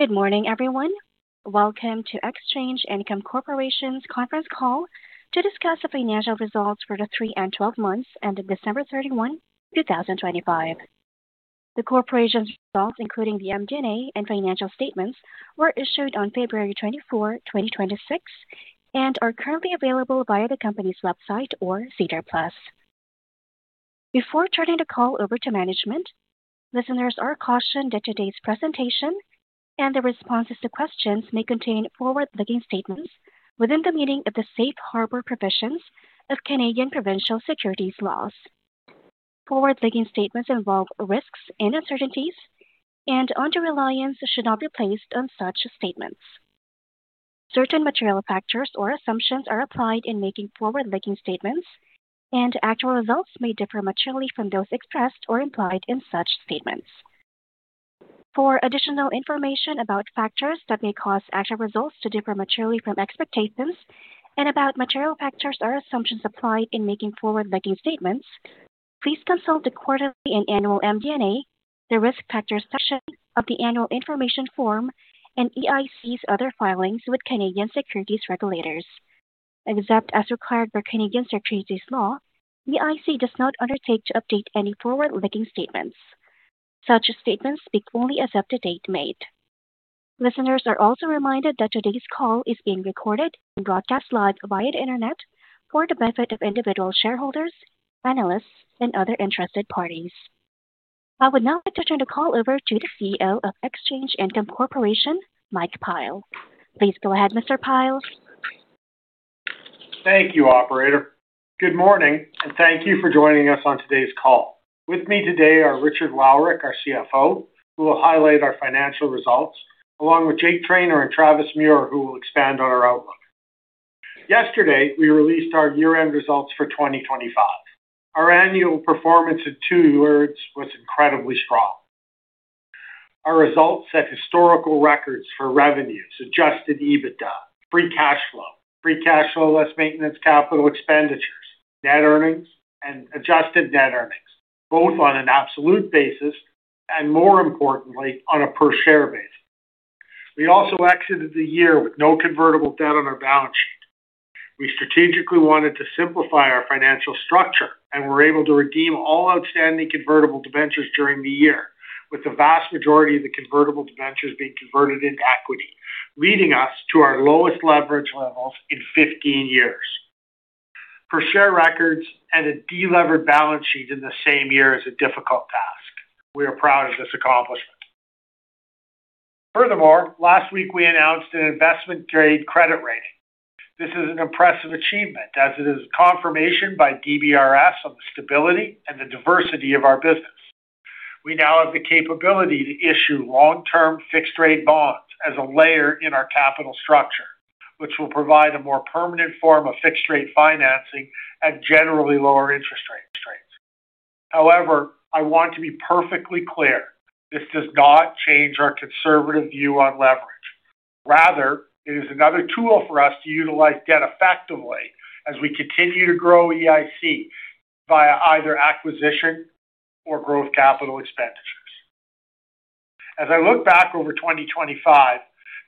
Good morning, everyone. Welcome to Exchange Income Corporation's conference call to discuss the financial results for the three and 12 months ended December 31, 2025. The corporation's results, including the MD&A and financial statements, were issued on February 24, 2026, and are currently available via the company's website or SEDAR+. Before turning the call over to management, listeners are cautioned that today's presentation and the responses to questions may contain forward-looking statements within the meaning of the safe harbor provisions of Canadian provincial securities laws. Forward-looking statements involve risks and uncertainties, and undue reliance should not be placed on such statements. Certain material factors or assumptions are applied in making forward-looking statements, and actual results may differ materially from those expressed or implied in such statements. For additional information about factors that may cause actual results to differ materially from expectations and about material factors or assumptions applied in making forward-looking statements, please consult the quarterly and annual MD&A, the Risk Factors section of the Annual Information Form, and EIC's other filings with Canadian securities regulators. Except as required by Canadian securities law, EIC does not undertake to update any forward-looking statements. Such statements speak only as of the date made. Listeners are also reminded that today's call is being recorded and broadcast live via the Internet for the benefit of individual shareholders, analysts, and other interested parties. I would now like to turn the call over to the CEO of Exchange Income Corporation, Mike Pyle. Please go ahead, Mr. Pyle. Thank you, operator. Good morning, thank you for joining us on today's call. With me today are Richard Wowryk, our CFO, who will highlight our financial results, along with Richard Wowryk and Travis Muhr, who will expand on our outlook. Yesterday, we released our year-end results for 2025. Our annual performance in two2 words was incredibly strong. Our results set historical records for revenues, adjusted EBITDA, free cash flow, less maintenance, capital expenditures, net earnings, and adjusted net earnings, both on an absolute basis and more importantly, on a per-share basis. We also exited the year with no convertible debt on our balance sheet. We strategically wanted to simplify our financial structure and were able to redeem all outstanding convertible debentures during the year, with the vast majority of the convertible debentures being converted into equity, leading us to our lowest leverage levels in 15 years. Per-share records and a delevered balance sheet in the same year is a difficult task. We are proud of this accomplishment. Last week we announced an investment-grade credit rating. This is an impressive achievement as it is confirmation by DBRS on the stability and the diversity of our business. We now have the capability to issue long-term fixed-rate bonds as a layer in our capital structure, which will provide a more permanent form of fixed-rate financing at generally lower interest rate constraints. I want to be perfectly clear, this does not change our conservative view on leverage. Rather, it is another tool for us to utilize debt effectively as we continue to grow EIC via either acquisition or growth capital expenditures. As I look back over 2025,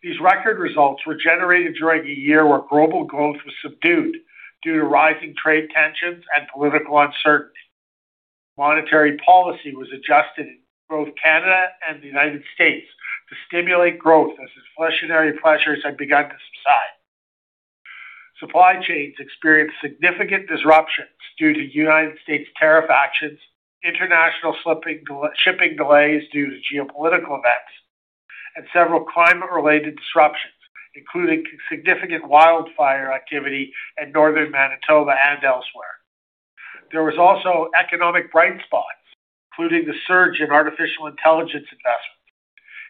these record results were generated during a year where global growth was subdued due to rising trade tensions and political uncertainty. Monetary policy was adjusted in both Canada and the United States to stimulate growth as inflationary pressures had begun to subside. Supply chains experienced significant disruptions due to United States tariff actions, international shipping delays due to geopolitical events, and several climate-related disruptions, including significant wildfire activity in northern Manitoba and elsewhere. There was also economic bright spots, including the surge in artificial intelligence investments,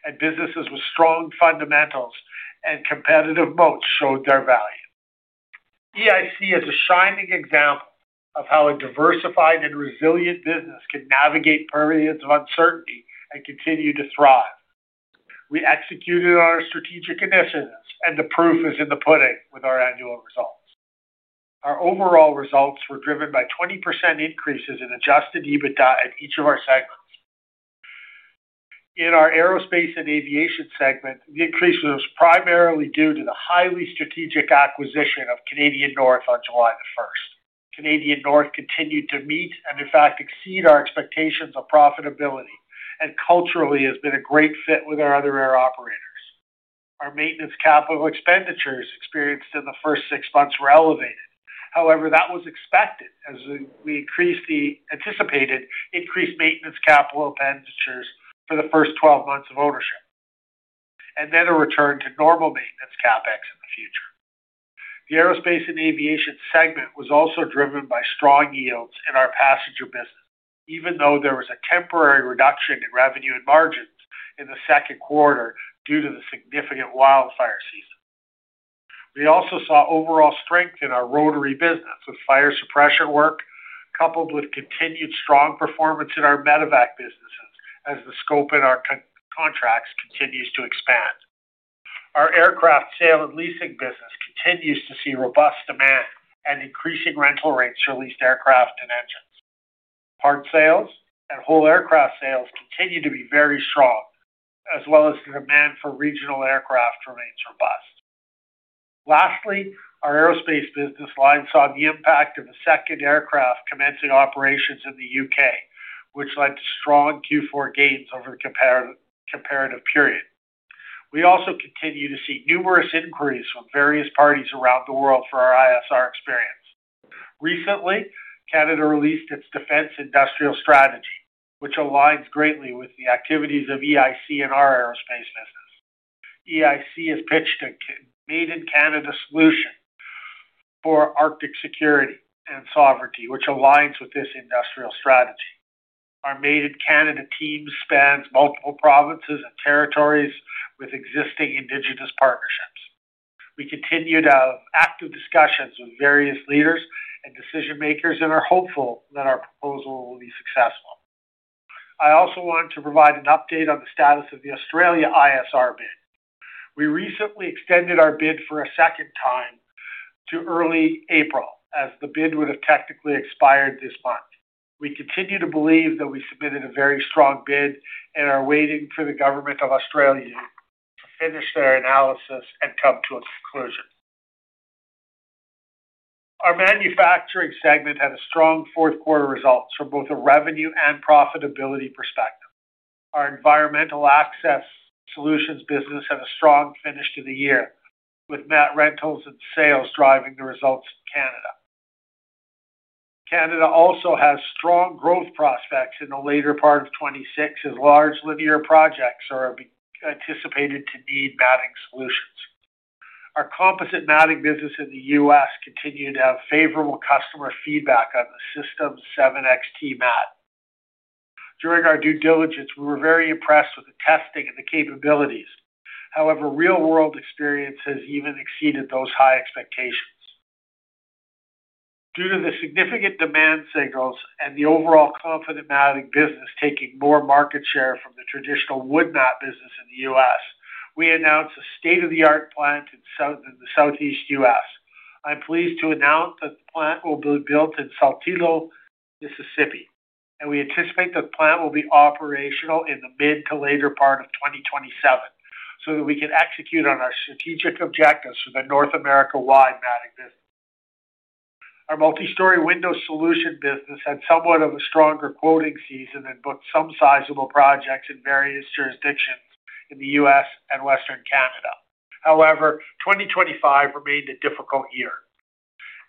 and businesses with strong fundamentals and competitive moats showed their value. EIC is a shining example of how a diversified and resilient business can navigate periods of uncertainty and continue to thrive. We executed on our strategic initiatives, the proof is in the pudding with our annual results. Our overall results were driven by 20% increases in adjusted EBITDA at each of our segments. In our Aerospace & Aviation segment, the increase was primarily due to the highly strategic acquisition of Canadian North on July 1st. Canadian North continued to meet and, in fact, exceed our expectations of profitability and culturally has been a great fit with our other air operators. Our maintenance capital expenditures experienced in the first six months were elevated. That was expected as we increased the anticipated increased maintenance capital expenditures for the first 12 months of ownership, a return to normal maintenance CapEx in the future. The Aerospace & Aviation segment was also driven by strong yields in our passenger business, even though there was a temporary reduction in revenue and margins in the second quarter due to the significant wildfire season. We also saw overall strength in our rotary business, with fire suppression work coupled with continued strong performance in our medevac businesses as the scope in our contracts continues to expand. Our aircraft sale and leasing business continues to see robust demand and increasing rental rates for leased aircraft and engines. Part sales and whole aircraft sales continue to be very strong, as well as the demand for regional aircraft remains robust. Lastly, our aerospace business line saw the impact of a second aircraft commencing operations in the U.K., which led to strong Q4 gains over comparative period. We also continue to see numerous inquiries from various parties around the world for our ISR experience. Recently, Canada released its Defence Industrial Strategy, which aligns greatly with the activities of EIC and our aerospace business. EIC has pitched a Made in Canada solution for Arctic security and sovereignty, which aligns with this industrial strategy. Our Made in Canada team spans multiple provinces and territories with existing Indigenous partnerships. We continue to have active discussions with various leaders and decision-makers, and are hopeful that our proposal will be successful. I also want to provide an update on the status of the Australia ISR bid. We recently extended our bid for a second time to early April, as the bid would have technically expired this month. We continue to believe that we submitted a very strong bid and are waiting for the government of Australia to finish their analysis and come to a conclusion. Our manufacturing segment had a strong 4th quarter results from both a revenue and profitability perspective. Our environmental access solutions business had a strong finish to the year, with mat rentals and sales driving the results in Canada. Canada also has strong growth prospects in the later part of 26, as large linear projects are anticipated to need matting solutions. Our composite matting business in the U.S. continued to have favorable customer feedback on the SYSTEM 7 XT mat. During our due diligence, we were very impressed with the testing and the capabilities. However, real-world experience has even exceeded those high expectations. Due to the significant demand signals and the overall confident matting business taking more market share from the traditional wood mat business in the U.S., we announced a state-of-the-art plant in the Southeast U.S. I'm pleased to announce that the plant will be built in Saltillo, Mississippi, and we anticipate the plant will be operational in the mid to later part of 2027, so that we can execute on our strategic objectives for the North America-wide matting business. Our multi-story window solution business had somewhat of a stronger quoting season and booked some sizable projects in various jurisdictions in the U.S. and Western Canada. However, 2025 remained a difficult year.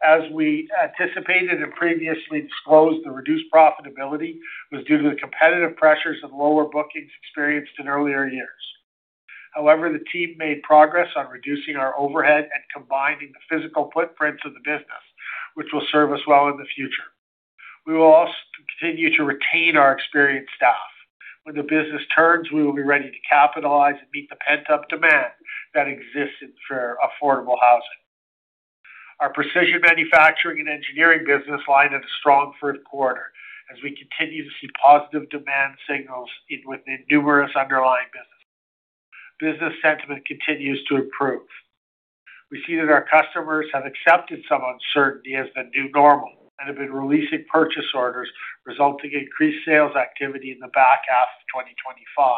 As we anticipated and previously disclosed, the reduced profitability was due to the competitive pressures of lower bookings experienced in earlier years. However, the team made progress on reducing our overhead and combining the physical footprints of the business, which will serve us well in the future. We will also continue to retain our experienced staff. When the business turns, we will be ready to capitalize and meet the pent-up demand that exists for affordable housing. Our precision manufacturing and engineering business line had a strong third quarter, as we continue to see positive demand signals in, within numerous underlying businesses. Business sentiment continues to improve. We see that our customers have accepted some uncertainty as the new normal and have been releasing purchase orders, resulting in increased sales activity in the back half of 2025,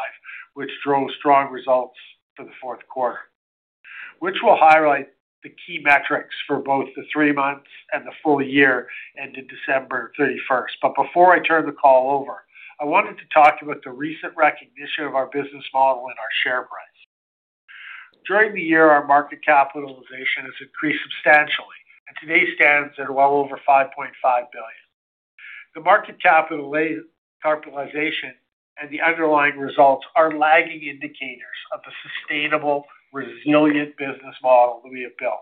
which drove strong results for the 4th quarter. Which will highlight the key metrics for both the three months and the full year ended December 31st. Before I turn the call over, I wanted to talk about the recent recognition of our business model and our share price. During the year, our market capitalization has increased substantially, and today stands at well over 5.5 billion. The market capitalization and the underlying results are lagging indicators of the sustainable, resilient business model that we have built.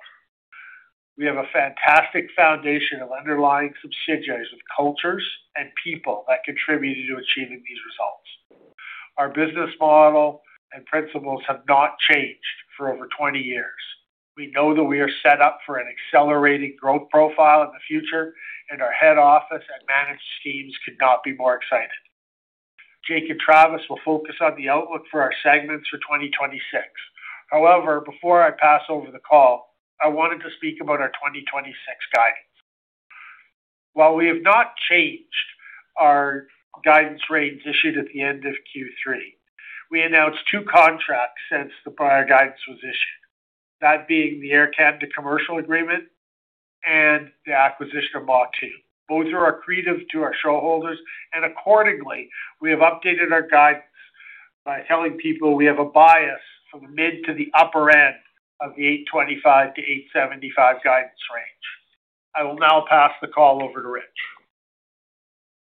We have a fantastic foundation of underlying subsidiaries with cultures and people that contributed to achieving these results. Our business model and principles have not changed for over 20 years. We know that we are set up for an accelerating growth profile in the future, and our head office and managed teams could not be more excited. Richard and Travis will focus on the outlook for our segments for 2026. Before I pass over the call, I wanted to speak about our 2026 guidance. While we have not changed our guidance range issued at the end of Q3, we announced two contracts since the prior guidance was issued. That being the Air Canada commercial agreement and the acquisition Mach II. Both are accretive to our shareholders. Accordingly, we have updated our guidance by telling people we have a bias from the mid to the upper end of the 825 million-875 million guidance range. I will now pass the call over to Rich.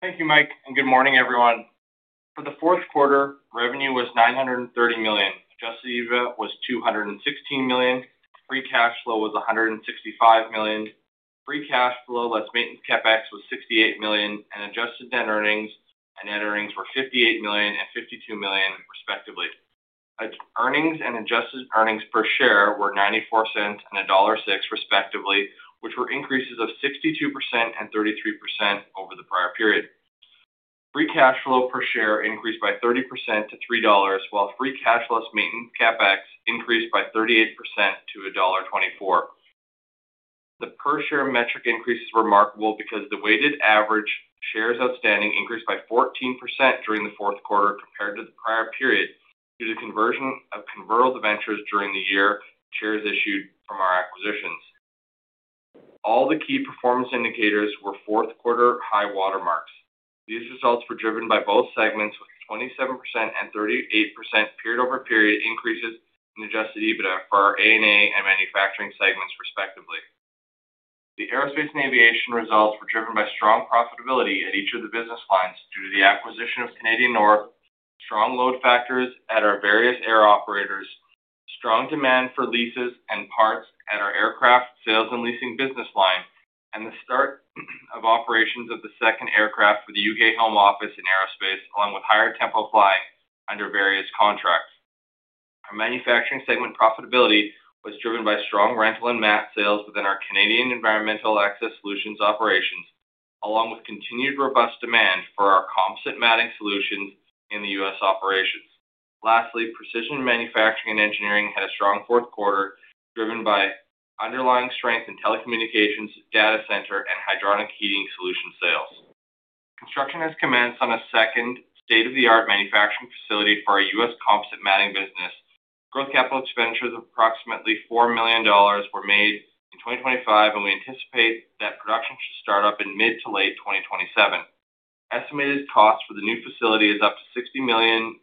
Thank you, Mike, and good morning, everyone. For the 4th quarter, revenue was 930 million. Adjusted EBITDA was 216 million. Free cash flow was 165 million. Free cash flow, less maintenance CapEx, was 68 million, and adjusted net earnings and net earnings were 58 million and 52 million, respectively. Earnings and adjusted earnings per share were 0.94 and dollar 1.06, respectively, which were increases of 62% and 33% over the prior period. Free cash flow per share increased by 30% to 3.00 dollars, while free cash less maintenance CapEx increased by 38% to dollar 1.24.... The per share metric increase is remarkable because the weighted average shares outstanding increased by 14% during the 4th quarter compared to the prior period, due to conversion of convertible ventures during the year, shares issued from our acquisitions. All the key performance indicators were fourth-quarter high water marks. These results were driven by both segments, with 27% and 38% period-over-period increases in adjusted EBITDA for our ANA and manufacturing segments, respectively. The aerospace and aviation results were driven by strong profitability at each of the business lines due to the acquisition of Canadian North, strong load factors at our various air operators, strong demand for leases and parts at our aircraft sales and leasing business line, and the start of operations of the second aircraft for the U.K. Home Office in aerospace, along with higher tempo flying under various contracts. Our manufacturing segment profitability was driven by strong rental and mat sales within our Canadian Environmental Access Solutions operations, along with continued robust demand for our composite matting solutions in the US operations. Precision manufacturing and engineering had a strong 4th quarter, driven by underlying strength in telecommunications, data center, and hydronic heating solution sales. Construction has commenced on a second state-of-the-art manufacturing facility for our US composite matting business. Growth CapEx of approximately 4 million dollars were made in 2025. We anticipate that production should start up in mid to late 2027. Estimated cost for the new facility is up to $60 million.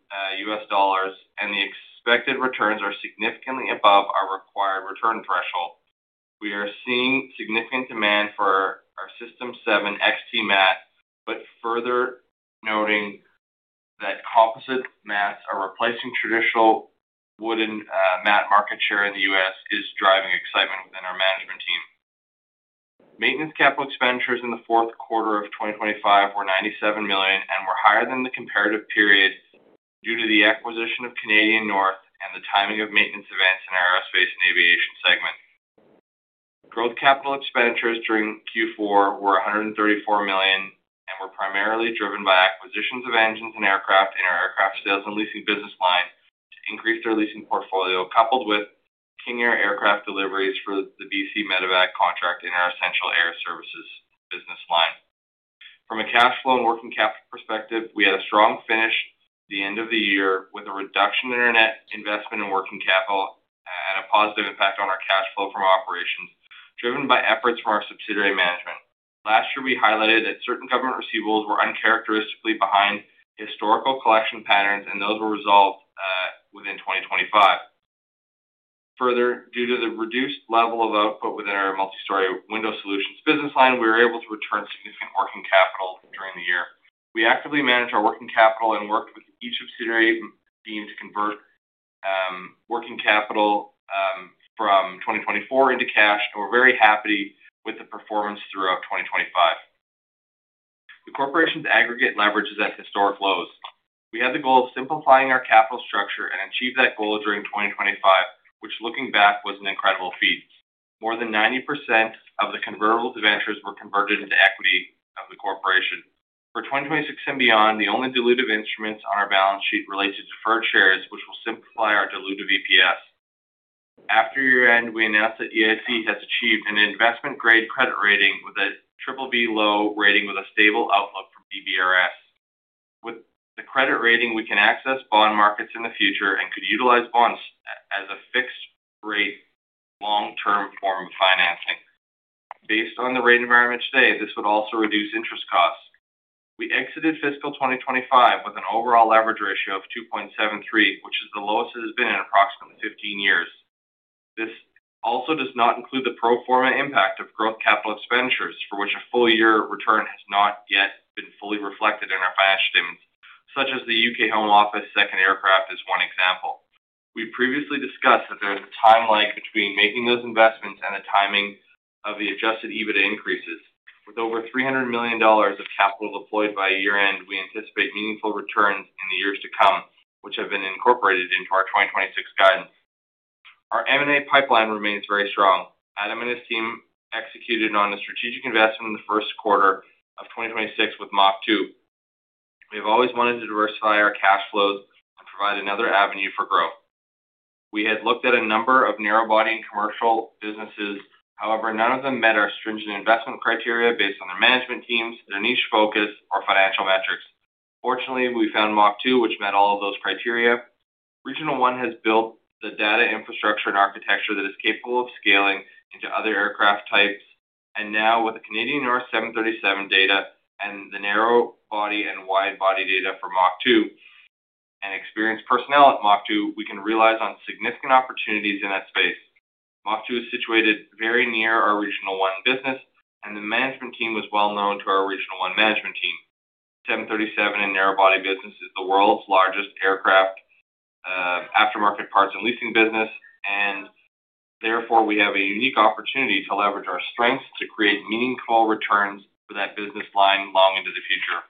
The expected returns are significantly above our required return threshold. We are seeing significant demand for our SYSTEM 7 XT mat, but further noting that composite mats are replacing traditional wooden mat market share in the US is driving excitement within our management team. Maintenance capital expenditures in the 4th quarter of 2025 were $97 million and were higher than the comparative periods due to the acquisition of Canadian North and the timing of maintenance events in our Aerospace & Aviation segment. Growth capital expenditures during Q4 were $134 million and were primarily driven by acquisitions of engines and aircraft in our aircraft sales and leasing business line to increase their leasing portfolio, coupled with King Air aircraft deliveries for the BC medevac contract in our Essential Air Services business line. From a cash flow and working capital perspective, we had a strong finish the end of the year with a reduction in our net investment and working capital and a positive impact on our cash flow from operations, driven by efforts from our subsidiary management. Last year, we highlighted that certain government receivables were uncharacteristically behind historical collection patterns, and those were resolved within 2025. Further, due to the reduced level of output within our multi-story window solutions business line, we were able to return significant working capital during the year. We actively managed our working capital and worked with each subsidiary team to convert working capital from 2024 into cash, and we're very happy with the performance throughout 2025. The corporation's aggregate leverage is at historic lows. We had the goal of simplifying our capital structure and achieved that goal during 2025, which, looking back, was an incredible feat. More than 90% of the convertible debentures were converted into equity of the corporation. For 2026 and beyond, the only dilutive instruments on our balance sheet relate to deferred shares, which will simplify our dilutive EPS. After year-end, we announced that EIC has achieved an investment-grade credit rating with a BBB (low) rating with a stable outlook from Morningstar DBRS. With the credit rating, we can access bond markets in the future and could utilize bonds as a fixed rate, long-term form of financing. Based on the rate environment today, this would also reduce interest costs. We exited fiscal 2025 with an overall leverage ratio of 2.73, which is the lowest it has been in approximately 15 years. This also does not include the pro forma impact of growth capital expenditures, for which a full year return has not yet been fully reflected in our balance sheet, such as the U.K. Home Office second aircraft is one example. We previously discussed that there is a time lag between making those investments and the timing of the adjusted EBITDA increases. With over 300 million dollars of capital deployed by year-end, we anticipate meaningful returns in the years to come, which have been incorporated into our 2026 guidance. Our M&A pipeline remains very strong. Adam and his team executed on a strategic investment in the 1st quarter of 2026 Mach II. We have always wanted to diversify our cash flows and provide another avenue for growth. We had looked at a number of narrow-body and commercial businesses. None of them met our stringent investment criteria based on their management teams, their niche focus, or financial metrics. Fortunately, we Mach II, which met all of those criteria. Regional One has built the data, infrastructure, and architecture that is capable of scaling into other aircraft types, and now with the Canadian North 737 data and the narrow-body and wide-body data Mach II and experienced personnel Mach II, we can realize on significant opportunities in that Mach II is situated very near our Regional One business, and the management team was well known to our Regional One management team. 737 and narrow-body business is the world's largest aircraft, aftermarket parts and leasing business, and therefore, we have a unique opportunity to leverage our strengths to create meaningful returns for that business line long into the future.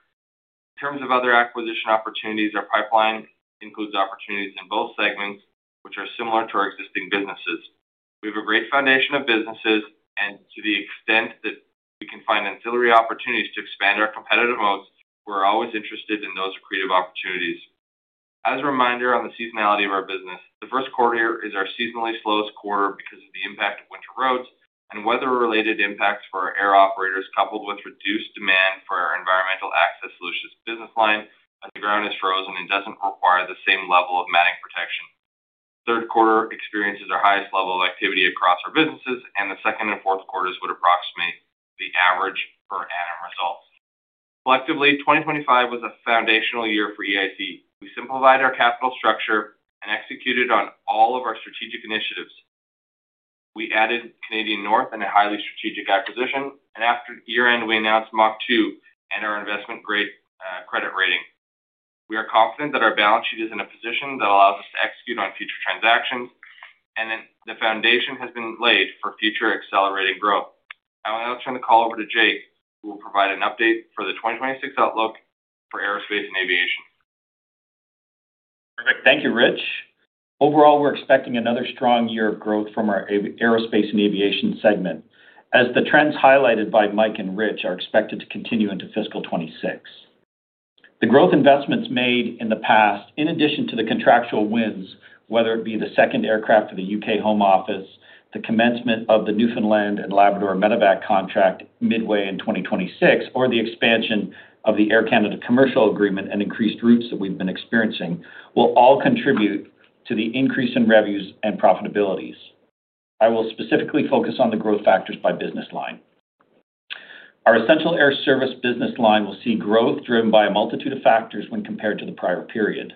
In terms of other acquisition opportunities, our pipeline includes opportunities in both segments, which are similar to our existing businesses. We have a great foundation of businesses. To the extent that we can find ancillary opportunities to expand our competitive moats, we're always interested in those accretive opportunities. As a reminder on the seasonality of our business, the first quarter is our seasonally slowest quarter because of the impact of winter roads and weather-related impacts for our air operators, coupled with reduced demand for our environmental access solutions business line, as the ground is frozen and doesn't require the same level of matting protection. Third quarter experiences our highest level of activity across our businesses. The 2nd and 4th quarters would approximate the average per annum results. Collectively, 2025 was a foundational year for EIC. We simplified our capital structure and executed on all of our strategic initiatives. We added Canadian North in a highly strategic acquisition. After year-end, we Mach II and our investment-grade credit rating. We are confident that our balance sheet is in a position that allows us to execute on future transactions. The foundation has been laid for future accelerating growth. I will now turn the call over to Jake, who will provide an update for the 2026 outlook for Aerospace & Aviation. Perfect. Thank you, Rich. Overall, we're expecting another strong year of growth from our Aerospace & Aviation segment, as the trends highlighted by Mike and Rich are expected to continue into fiscal 2026. The growth investments made in the past, in addition to the contractual wins, whether it be the second aircraft for the U.K. Home Office, the commencement of the Newfoundland and Labrador Medevac contract midway in 2026, or the expansion of the Air Canada commercial agreement and increased routes that we've been experiencing, will all contribute to the increase in revenues and profitabilities. I will specifically focus on the growth factors by business line. Our essential air service business line will see growth driven by a multitude of factors when compared to the prior period.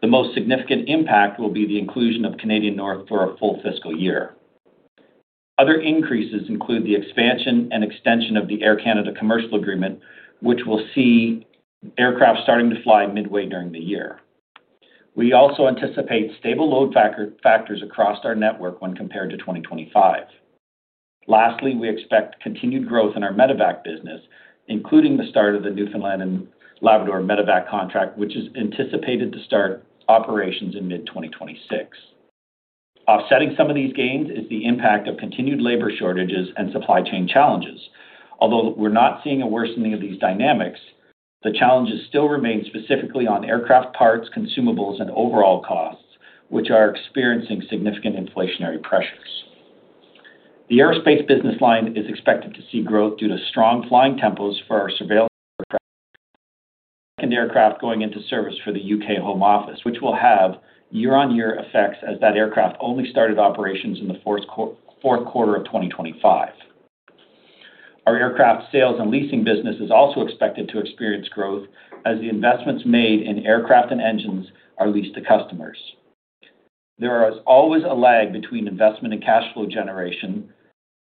The most significant impact will be the inclusion of Canadian North for a full fiscal year. Other increases include the expansion and extension of the Air Canada commercial agreement, which will see aircraft starting to fly midway during the year. We also anticipate stable load factors across our network when compared to 2025. Lastly, we expect continued growth in our Medevac business, including the start of the Newfoundland and Labrador Medevac contract, which is anticipated to start operations in mid-2026. Offsetting some of these gains is the impact of continued labor shortages and supply chain challenges. Although we're not seeing a worsening of these dynamics, the challenges still remain, specifically on aircraft parts, consumables, and overall costs, which are experiencing significant inflationary pressures. The aerospace business line is expected to see growth due to strong flying tempos for our surveillance aircraft and aircraft going into service for the U.K. Home Office, which will have year-on-year effects as that aircraft only started operations in the 4th quarter of 2025. Our aircraft sales and leasing business is also expected to experience growth as the investments made in aircraft and engines are leased to customers. There is always a lag between investment and cash flow generation.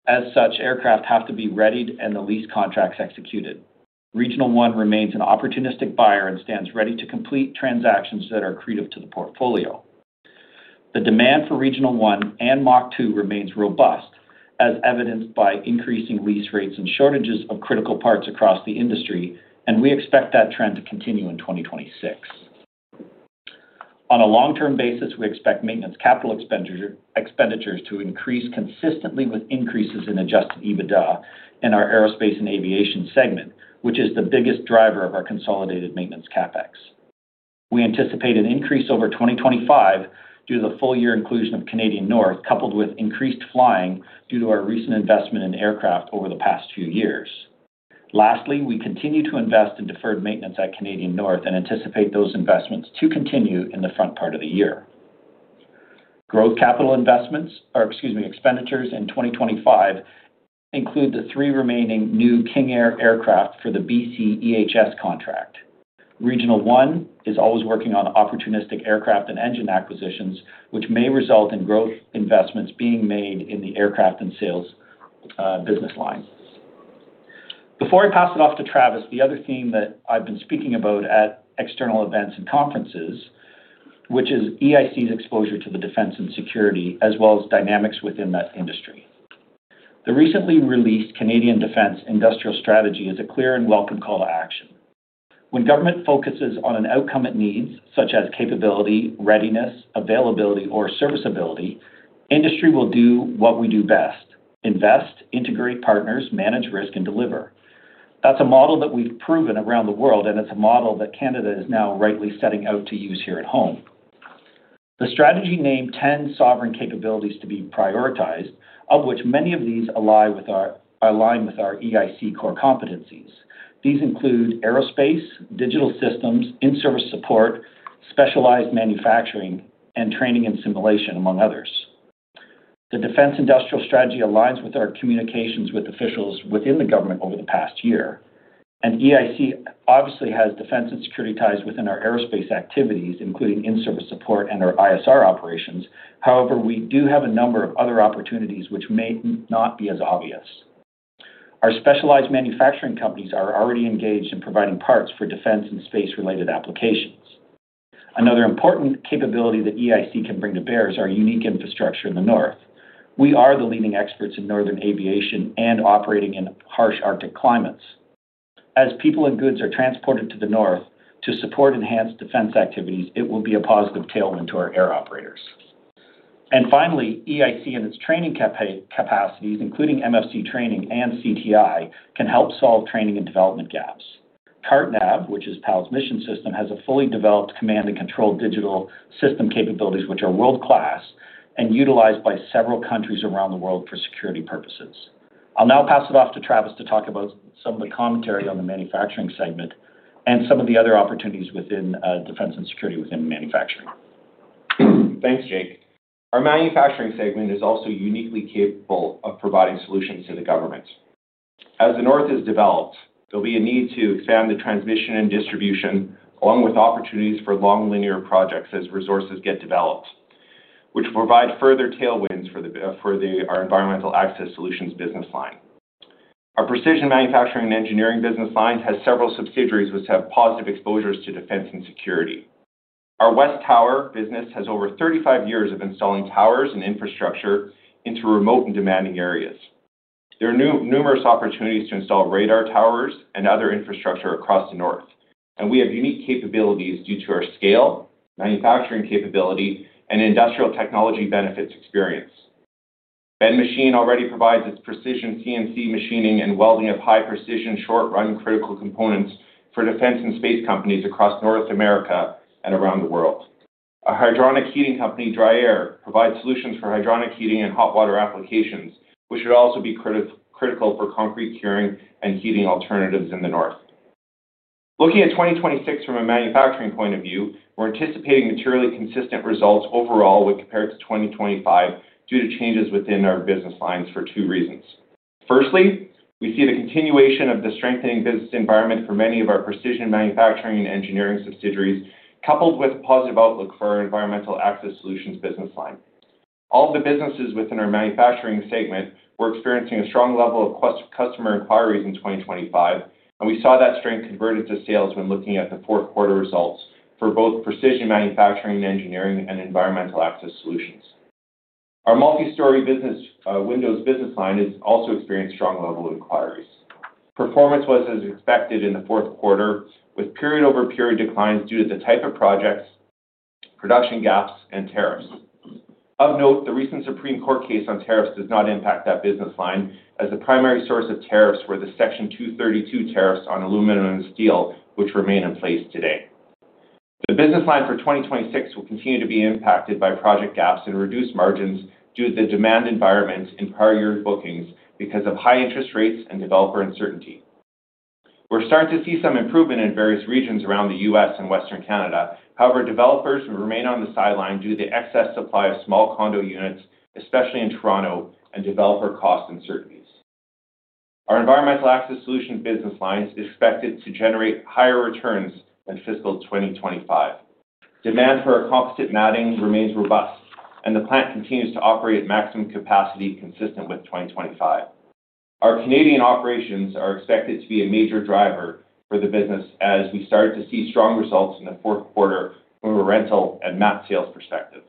As such, aircraft have to be readied and the lease contracts executed. Regional One remains an opportunistic buyer and stands ready to complete transactions that are accretive to the portfolio. The demand for Regional One Mach II remains robust, as evidenced by increasing lease rates and shortages of critical parts across the industry, and we expect that trend to continue in 2026. On a long-term basis, we expect maintenance capital expenditures to increase consistently with increases in adjusted EBITDA in our Aerospace & Aviation segment, which is the biggest driver of our consolidated maintenance CapEx. We anticipate an increase over 2025 due to the full year inclusion of Canadian North, coupled with increased flying due to our recent investment in aircraft over the past few years. Lastly, we continue to invest in deferred maintenance at Canadian North and anticipate those investments to continue in the front part of the year. Growth capital investments, or excuse me, expenditures in 2025 include the three remaining new King Air aircraft for the BCEHS contract. Regional One is always working on opportunistic aircraft and engine acquisitions, which may result in growth investments being made in the aircraft and sales business line. Before I pass it off to Travis, the other theme that I've been speaking about at external events and conferences, which is EIC's exposure to the defense and security, as well as dynamics within that industry. The recently released Canadian Defence Industrial Strategy is a clear and welcome call to action. When government focuses on an outcome it needs, such as capability, readiness, availability, or serviceability, industry will do what we do best: invest, integrate partners, manage risk, and deliver. That's a model that we've proven around the world, and it's a model that Canada is now rightly setting out to use here at home. The strategy named ten sovereign capabilities to be prioritized, of which many of these align with our EIC core competencies. These include aerospace, digital systems, in-service support, specialized manufacturing, and training and simulation, among others. The Defence Industrial Strategy aligns with our communications with officials within the government over the past year, and EIC obviously has defense and security ties within our aerospace activities, including in-service support and our ISR operations. However, we do have a number of other opportunities which may not be as obvious. Our specialized manufacturing companies are already engaged in providing parts for defense and space-related applications. Another important capability that EIC can bring to bear is our unique infrastructure in the North. We are the leading experts in northern aviation and operating in harsh Arctic climates. As people and goods are transported to the North to support enhanced defense activities, it will be a positive tailwind to our air operators. Finally, EIC and its training capacities, including MFC training and CTI, can help solve training and development gaps. CarteNav, which is PAL's mission system, has a fully developed command and control digital system capabilities, which are world-class and utilized by several countries around the world for security purposes. I'll now pass it off to Travis to talk about some of the commentary on the manufacturing segment and some of the other opportunities within defense and security within manufacturing. Thanks, Jake. Our manufacturing segment is also uniquely capable of providing solutions to the government. As the North is developed, there'll be a need to expand the transmission and distribution, along with opportunities for long linear projects as resources get developed, which provide further tailwinds for our environmental access solutions business line. Our precision manufacturing and engineering business lines has several subsidiaries which have positive exposures to defense and security. Our WesTower business has over 35 years of installing towers and infrastructure into remote and demanding areas. There are numerous opportunities to install radar towers and other infrastructure across the North, and we have unique capabilities due to our scale, manufacturing capability, and industrial technology benefits experience. Ben Machine already provides its precision CNC machining and welding of high precision, short-run, critical components for defense and space companies across North America and around the world. Our hydronic heating company, Dry Air, provides solutions for hydronic heating and hot water applications, which should also be critical for concrete curing and heating alternatives in the North. Looking at 2026 from a manufacturing point of view, we're anticipating materially consistent results overall when compared to 2025 due to changes within our business lines for two reasons. We see the continuation of the strengthening business environment for many of our precision manufacturing and engineering subsidiaries, coupled with positive outlook for our environmental access solutions business line. All the businesses within our manufacturing segment were experiencing a strong level of customer inquiries in 2025. We saw that strength converted to sales when looking at the 4th quarter results for both precision manufacturing and engineering and environmental access solutions. Our multi-story business windows business line is also experienced strong level of inquiries. Performance was as expected in the 4th quarter, with period-over-period declines due to the type of projects, production gaps, and tariffs. Of note, the recent Supreme Court of Canada case on tariffs does not impact that business line, as the primary source of tariffs were the Section 232 tariffs on aluminum and steel, which remain in place today. The business line for 2026 will continue to be impacted by project gaps and reduced margins due to the demand environment in prior year's bookings because of high interest rates and developer uncertainty. We're starting to see some improvement in various regions around the U.S. and Western Canada. Developers remain on the sideline due to the excess supply of small condo units, especially in Toronto, and developer cost uncertainties. Our environmental access solution business line is expected to generate higher returns than fiscal 2025. Demand for our composite matting remains robust, and the plant continues to operate at maximum capacity, consistent with 2025. Our Canadian operations are expected to be a major driver for the business as we start to see strong results in the 4th quarter from a rental and mat sales perspective.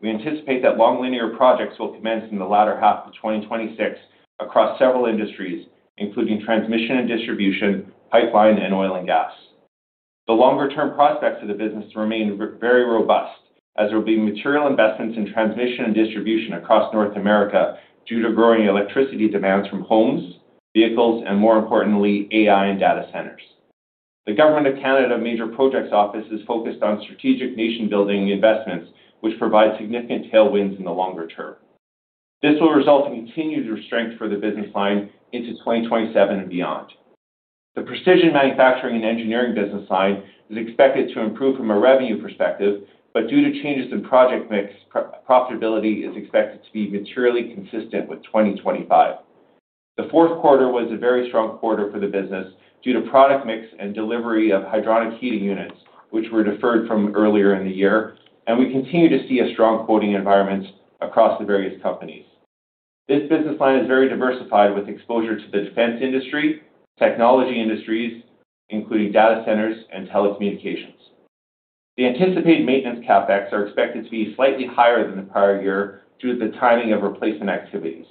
We anticipate that long linear projects will commence in the latter half of 2026 across several industries, including transmission and distribution, pipeline, and oil and gas. The longer-term prospects of the business remain very robust, as there will be material investments in transmission and distribution across North America due to growing electricity demands from homes, vehicles, and more importantly, AI and data centers. The Government of Canada Major Projects Office is focused on strategic nation-building investments, which provide significant tailwinds in the longer term. This will result in continued strength for the business line into 2027 and beyond. The precision manufacturing and engineering business line is expected to improve from a revenue perspective, but due to changes in project mix, profitability is expected to be materially consistent with 2025. The 4th quarter was a very strong quarter for the business due to product mix and delivery of hydronic heating units, which were deferred from earlier in the year, and we continue to see a strong quoting environment across the various companies. This business line is very diversified, with exposure to the defense industry, technology industries, including data centers and telecommunications. The anticipated maintenance CapEx are expected to be slightly higher than the prior year due to the timing of replacement activities.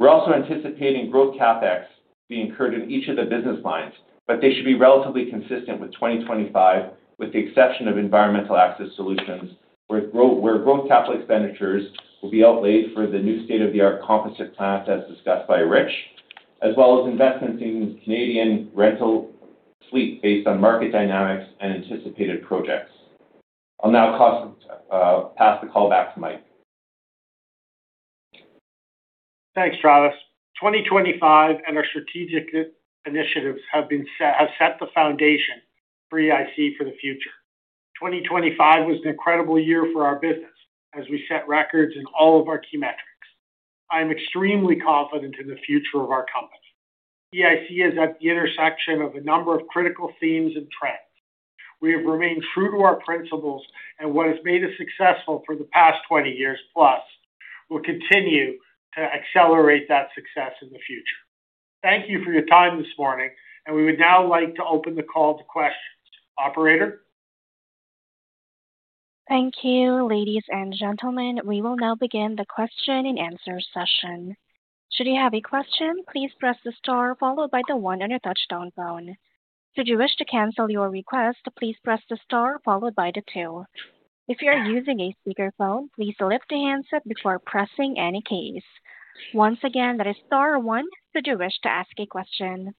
We're also anticipating growth CapEx being incurred in each of the business lines, but they should be relatively consistent with 2025, with the exception of environmental access solutions, where growth capital expenditures will be outlaid for the new state-of-the-art composite plant, as discussed by Rich, as well as investments in Canadian rental fleet based on market dynamics and anticipated projects. I'll now cost, pass the call back to Mike. Thanks, Travis. 2025 our strategic initiatives have set the foundation for EIC for the future. 2025 was an incredible year for our business as we set records in all of our key metrics. I am extremely confident in the future of our company. EIC is at the intersection of a number of critical themes and trends. We have remained true to our principles. What has made us successful for the past 20 years+ will continue to accelerate that success in the future. Thank you for your time this morning. We would now like to open the call to questions. Operator? Thank you, ladies and gentlemen. We will now begin the question and answer session. Should you have a question, please press the star followed by the one on your touchtone phone. Should you wish to cancel your request, please press the star followed by the two. If you are using a speakerphone, please lift the handset before pressing any keys. Once again, that is star one, should you wish to ask a question.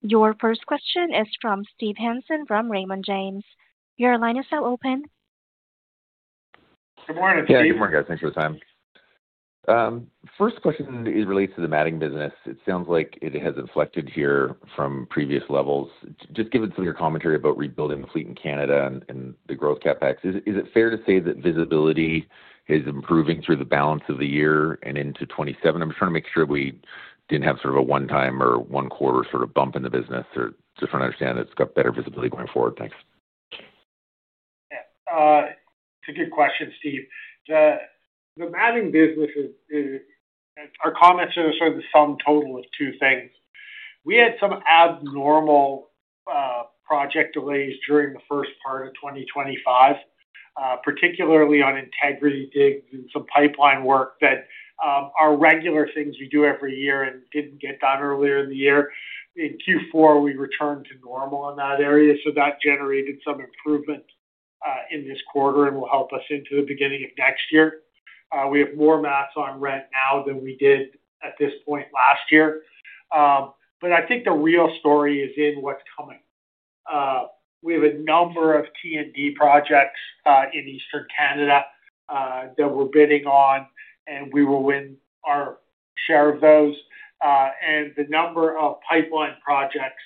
Your first question is from Steve Hansen, from Raymond James. Your line is now open. Good morning, Steve. Yeah, good morning, guys. Thanks for the time. First question is related to the matting business. It sounds like it has inflected here from previous levels. Just given some of your commentary about rebuilding the fleet in Canada and the growth CapEx, is it fair to say that visibility is improving through the balance of the year and into 2027? I'm just trying to make sure we didn't have sort of a one-time or one quarter sort of bump in the business, or just trying to understand that it's got better visibility going forward. Thanks. Yeah, it's a good question, Steve. The matting business is, our comments are sort of the sum total of two things. We had some abnormal project delays during the first part of 2025, particularly on integrity digs and some pipeline work that are regular things you do every year and didn't get done earlier in the year. In Q4, we returned to normal in that area, that generated some improvement in this quarter and will help us into the beginning of next year. We have more mats on rent now than we did at this point last year. I think the real story is in what's coming. We have a number of T&D projects in Eastern Canada that we're bidding on, we will win our share of those. The number of pipeline projects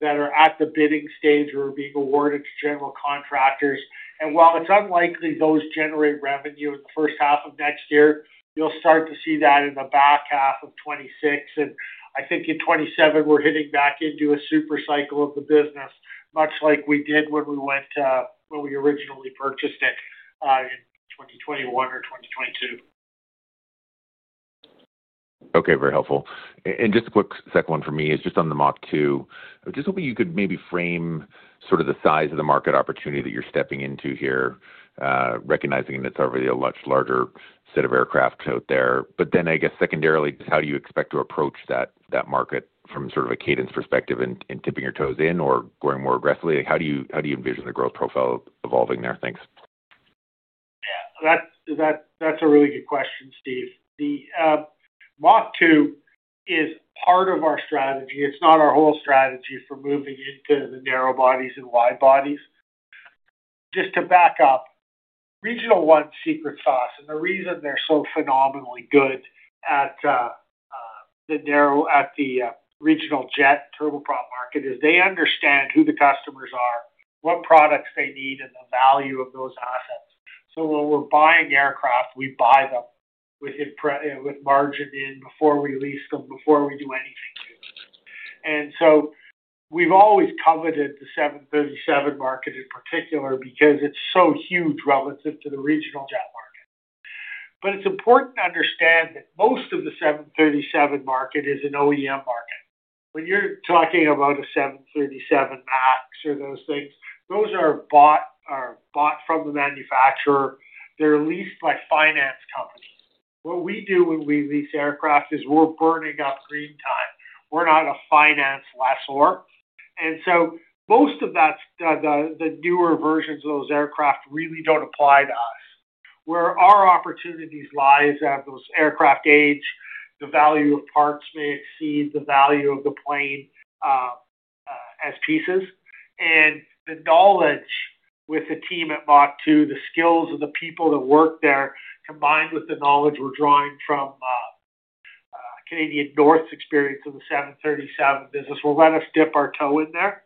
that are at the bidding stage or are being awarded to general contractors, and while it's unlikely those generate revenue in the first half of next year, you'll start to see that in the back half of 2026. I think in 2027, we're hitting back into a super cycle of the business, much like we did when we went, when we originally purchased it, in 2021 or 2022. Okay, very helpful. Just a quick second one for me is just Mach II. I just hope you could maybe frame sort of the size of the market opportunity that you're stepping into here, recognizing that there's already a much larger set of aircraft out there. I guess secondarily, just how do you expect to approach that market from sort of a cadence perspective and tipping your toes in or growing more aggressively? How do you envision the growth profile evolving there? Thanks. Yeah, that's a really good question, Steve. Mach II is part of our strategy. It's not our whole strategy for moving into the narrow bodies and wide bodies. Just to back up, Regional One secret sauce, and the reason they're so phenomenally good at the regional jet turboprop market, is they understand who the customers are, what products they need, and the value of those assets. When we're buying aircraft, we buy them with margin in, before we lease them, before we do anything to them. We've always coveted the 737 market in particular because it's so huge relative to the regional jet market. It's important to understand that most of the 737 market is an OEM market. When you're talking about a 737 MAX or those things, those are bought from the manufacturer. They're leased by finance companies. What we do when we lease aircraft is we're burning up green time. We're not a finance lessor. Most of that, the newer versions of those aircraft really don't apply to us. Where our opportunities lies, as those aircraft age, the value of parts may exceed the value of the plane as pieces, and the knowledge with the Mach II, the skills of the people that work there, combined with the knowledge we're drawing from Canadian North's experience in the 737 business, will let us dip our toe in there.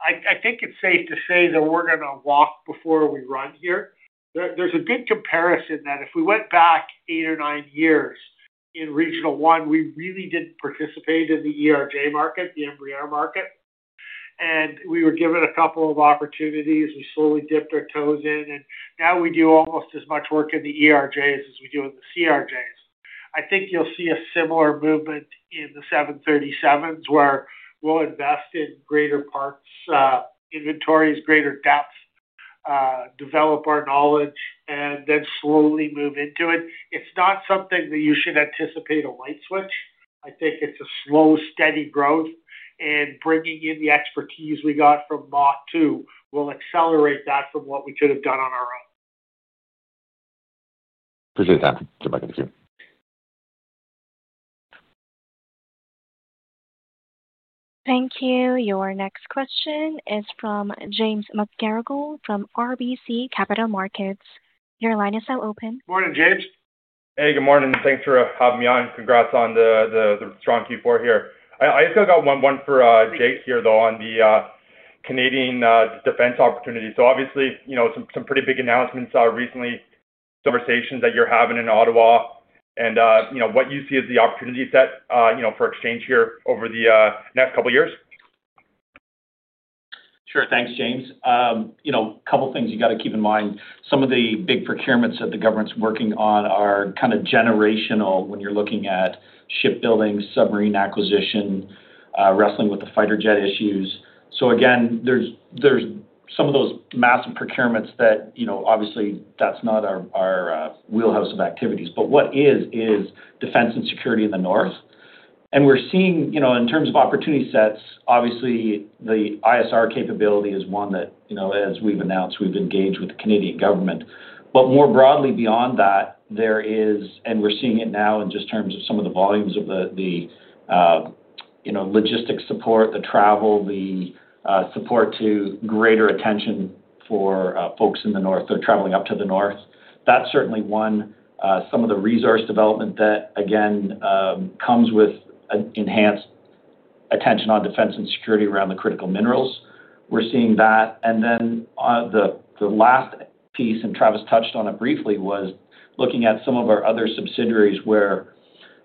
I think it's safe to say that we're going to walk before we run here. There's a good comparison that if we went back eight or nine years in Regional One, we really didn't participate in the ERJ market, the Embraer market, and we were given a couple of opportunities. We slowly dipped our toes in, and now we do almost as much work in the ERJs as we do in the CRJs. I think you'll see a similar movement in the 737s, where we'll invest in greater parts, inventories, greater depth, develop our knowledge, and then slowly move into it. It's not something that you should anticipate a light switch. I think it's a slow, steady growth, and bringing in the expertise we Mach II will accelerate that from what we could have done on our own. Appreciate the time. Bye-bye. Thank you. Your next question is from James McGarragle from RBC Capital Markets. Your line is now open. Good morning, James. Hey, good morning. Thanks for having me on. Congrats on the strong Q4 here. I still got one for Jake here, though, on the Canadian defense opportunity. Obviously, you know, some pretty big announcements recently, conversations that you're having in Ottawa and, you know, what you see as the opportunity set, you know, for Exchange here over the next couple of years? Sure. Thanks, James. You know, a couple of things you got to keep in mind. Some of the big procurements that the government's working on are kind of generational when you're looking at shipbuilding, submarine acquisition, wrestling with the fighter jet issues. Again, there's some of those massive procurements that, you know, obviously, that's not our wheelhouse of activities. What is defense and security in the north. We're seeing, you know, in terms of opportunity sets, obviously, the ISR capability is one that, you know, as we've announced, we've engaged with the Canadian government. More broadly beyond that, there is, and we're seeing it now in just terms of some of the volumes of the, you know, logistics support, the travel, the support to greater attention for folks in the north, they're traveling up to the north. That's certainly one, some of the resource development that, again, comes with an enhanced attention on defense and security around the critical minerals. We're seeing that. The last piece, and Travis touched on it briefly, was looking at some of our other subsidiaries where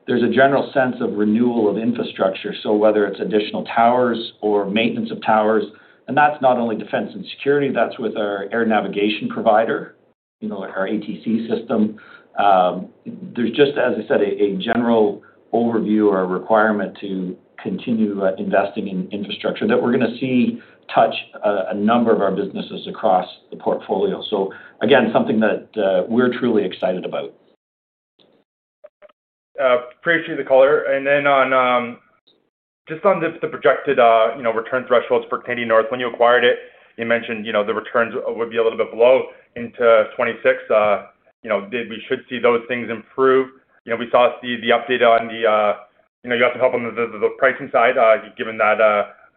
there's a general sense of renewal of infrastructure. Whether it's additional towers or maintenance of towers, and that's not only defense and security, that's with our air navigation provider, you know, our ATC system. There's just, as I said, a general overview or a requirement to continue investing in infrastructure that we're going to see touch, a number of our businesses across the portfolio. Again, something that we're truly excited about. Appreciate the color. Just on the projected return thresholds for Canadian North, when you acquired it, you mentioned the returns would be a little bit below into 2026. Did we should see those things improve? We saw the update on the you have to help on the pricing side, given that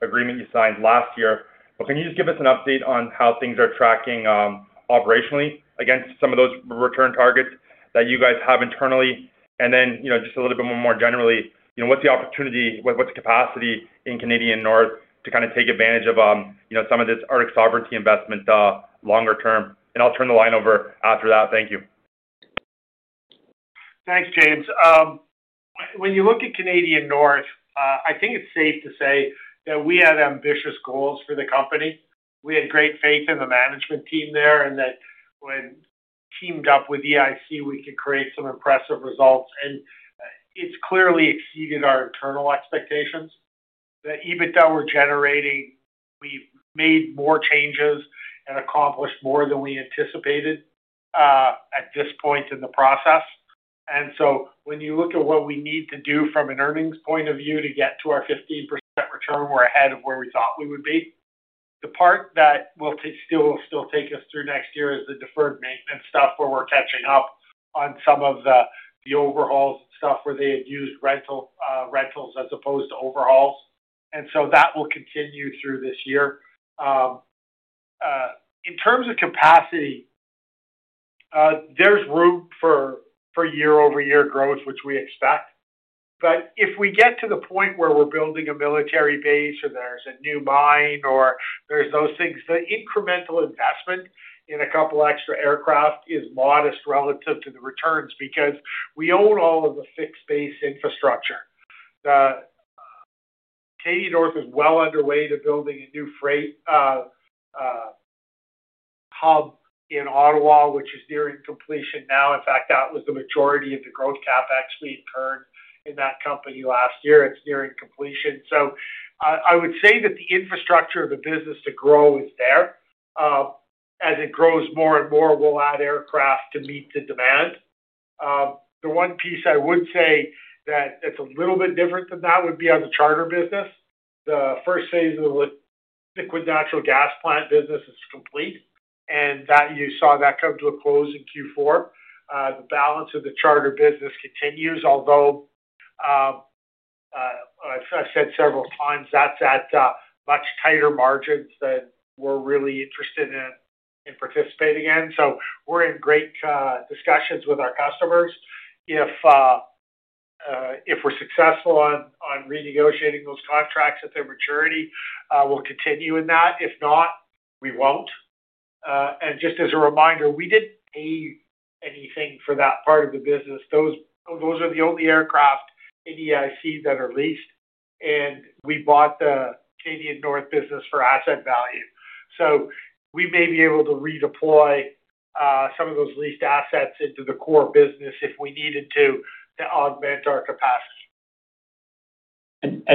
agreement you signed last year. Can you just give us an update on how things are tracking operationally against some of those return targets that you guys have internally? Just a little bit more generally, what's the opportunity, what's the capacity in Canadian North to kind of take advantage of some of this Arctic sovereignty investment longer term? I'll turn the line over after that. Thank you. Thanks, James. When you look at Canadian North, I think it's safe to say that we had ambitious goals for the company. We had great faith in the management team there, and that when teamed up with EIC, we could create some impressive results, and it's clearly exceeded our internal expectations. The EBITDA we're generating, we've made more changes and accomplished more than we anticipated at this point in the process. When you look at what we need to do from an earnings point of view to get to our 15% return, we're ahead of where we thought we would be. The part that will take us through next year is the deferred maintenance stuff, where we're catching up on some of the overhauls stuff, where they had used rental rentals as opposed to overhauls. That will continue through this year. In terms of capacity, there's room for year-over-year growth, which we expect. If we get to the point where we're building a military base, or there's a new mine, or there's those things, the incremental investment in a couple extra aircraft is modest relative to the returns because we own all of the fixed base infrastructure. The Canadian North is well underway to building a new freight hub in Ottawa, which is nearing completion now. In fact, that was the majority of the growth CapEx we incurred in that company last year. It's nearing completion. I would say that the infrastructure of the business to grow is there. As it grows more and more, we'll add aircraft to meet the demand. The one piece I would say that it's a little bit different than that would be on the charter business. The first phase of the liquid natural gas plant business is complete, and that you saw that come to a close in Q4. The balance of the charter business continues, although I've said several times, that's at much tighter margins than we're really interested in participating in. We're in great discussions with our customers. If we're successful on renegotiating those contracts at their maturity, we'll continue in that. If not, we won't. Just as a reminder, we didn't pay anything for that part of the business. Those are the only aircraft in EIC that are leased, and we bought the Canadian North business for asset value. We may be able to redeploy some of those leased assets into the core business if we needed to augment our capacity.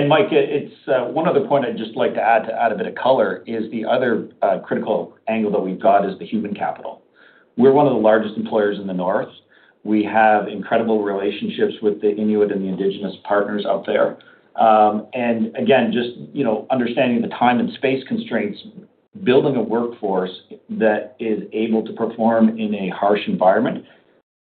Mike, it's one other point I'd just like to add a bit of color is the other critical angle that we've got is the human capital. We're one of the largest employers in the north. We have incredible relationships with the Inuit and the indigenous partners out there. Again, just, you know, understanding the time and space constraints, building a workforce that is able to perform in a harsh environment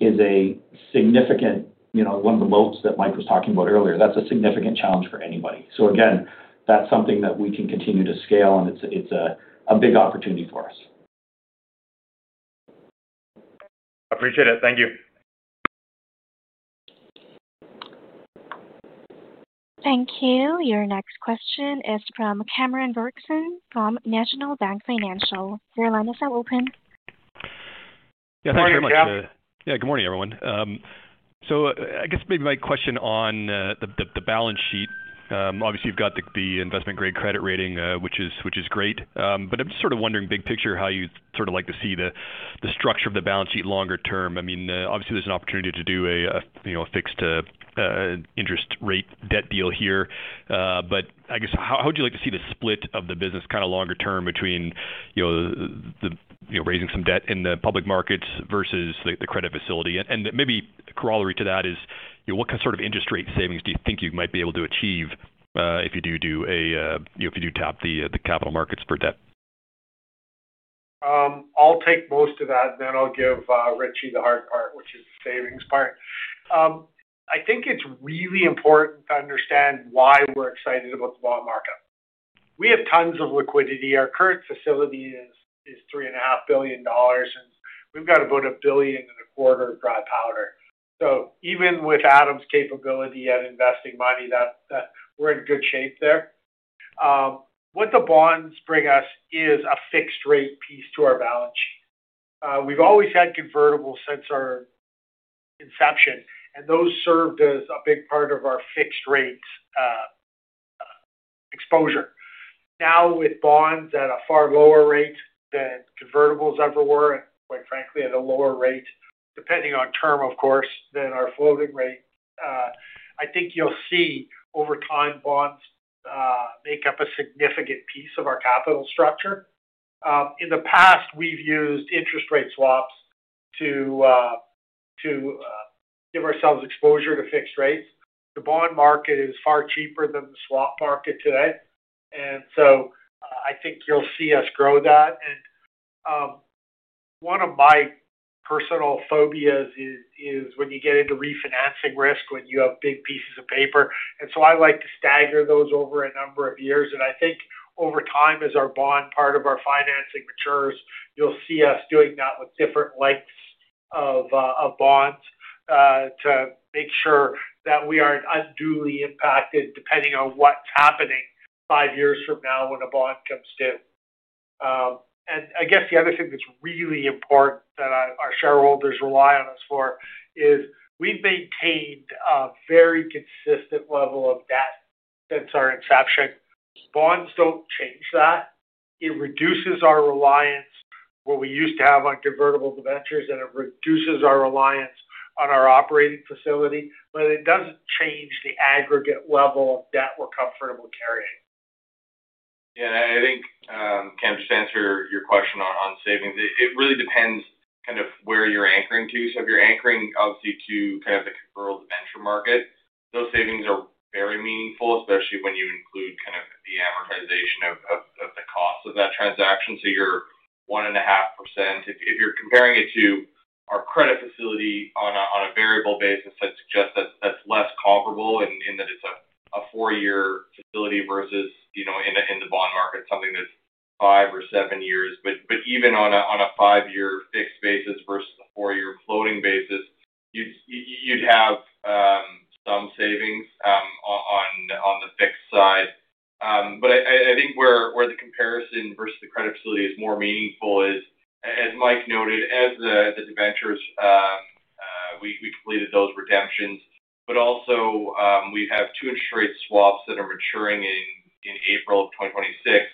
is a significant, you know, one of the moats that Mike was talking about earlier. That's a significant challenge for anybody. Again, that's something that we can continue to scale, and it's a big opportunity for us. Appreciate it. Thank you. Thank you. Your next question is from Cameron Doerksen from National Bank Financial. Your line is now open. Yeah, thank you very much. Good morning, Cameron. Yeah, good morning, everyone. I guess maybe my question on the balance sheet. Obviously, you've got the investment-grade credit rating, which is great. I'm just sort of wondering, big picture, how you'd sort of like to see the structure of the balance sheet longer term. I mean, obviously, there's an opportunity to do a, you know, a fixed interest rate debt deal here. I guess, how would you like to see the split of the business kind of longer term between, you know, the, you know, raising some debt in the public markets versus the credit facility? Maybe corollary to that is, you know, what kind of sort of interest rate savings do you think you might be able to achieve, if you do a, you know, if you do tap the capital markets for debt? I'll take most of that, then I'll give Richie the hard part, which is the savings part. I think it's really important to understand why we're excited about the bond market. We have tons of liquidity. Our current facility is three and a half billion dollars, and we've got about CAD a billion and a quarter of dry powder. Even with Adam's capability at investing money, that we're in good shape there. What the bonds bring us is a fixed rate piece to our balance sheet. We've always had convertibles since our inception, and those served as a big part of our fixed rate exposure. Now, with bonds at a far lower rate than convertibles ever were, and quite frankly, at a lower rate, depending on term, of course, than our floating rate, I think you'll see over time, bonds make up a significant piece of our capital structure. In the past, we've used interest rate swaps to give ourselves exposure to fixed rates. The bond market is far cheaper than the swap market today. I think you'll see us grow that. One of my personal phobias is when you get into refinancing risk, when you have big pieces of paper. I like to stagger those over a number of years. I think over time, as our bond, part of our financing matures, you'll see us doing that with different lengths of bonds to make sure that we aren't unduly impacted depending on what's happening 5 years from now when a bond comes due. I guess the other thing that's really important that our shareholders rely on us for, is we've maintained a very consistent level of debt since our inception. Bonds don't change that. It reduces our reliance, what we used to have on convertible debentures, and it reduces our reliance on our operating facility, but it doesn't change the aggregate level of debt we're comfortable carrying. Yeah, I think Benoit, just to answer your question on savings, it really depends kind of where you're anchoring to. If you're anchoring, obviously, to kind of the convertible debenture market, those savings are very meaningful, especially when you include kind of the amortization of the cost of that transaction. You're 1.5%. If you're comparing it to our credit facility on a variable basis, I'd suggest that that's less comparable in that it's a four-year facility versus, you know, in the bond market, something that's five or seven years. Even on a five-year fixed basis versus a four-year floating basis, you'd have some savings on the fixed side. But I think where the comparison versus the credit facility is more meaningful is, as Mike noted, as the debentures, we completed those redemptions, but also, we have two interest rate swaps that are maturing in April of 2026.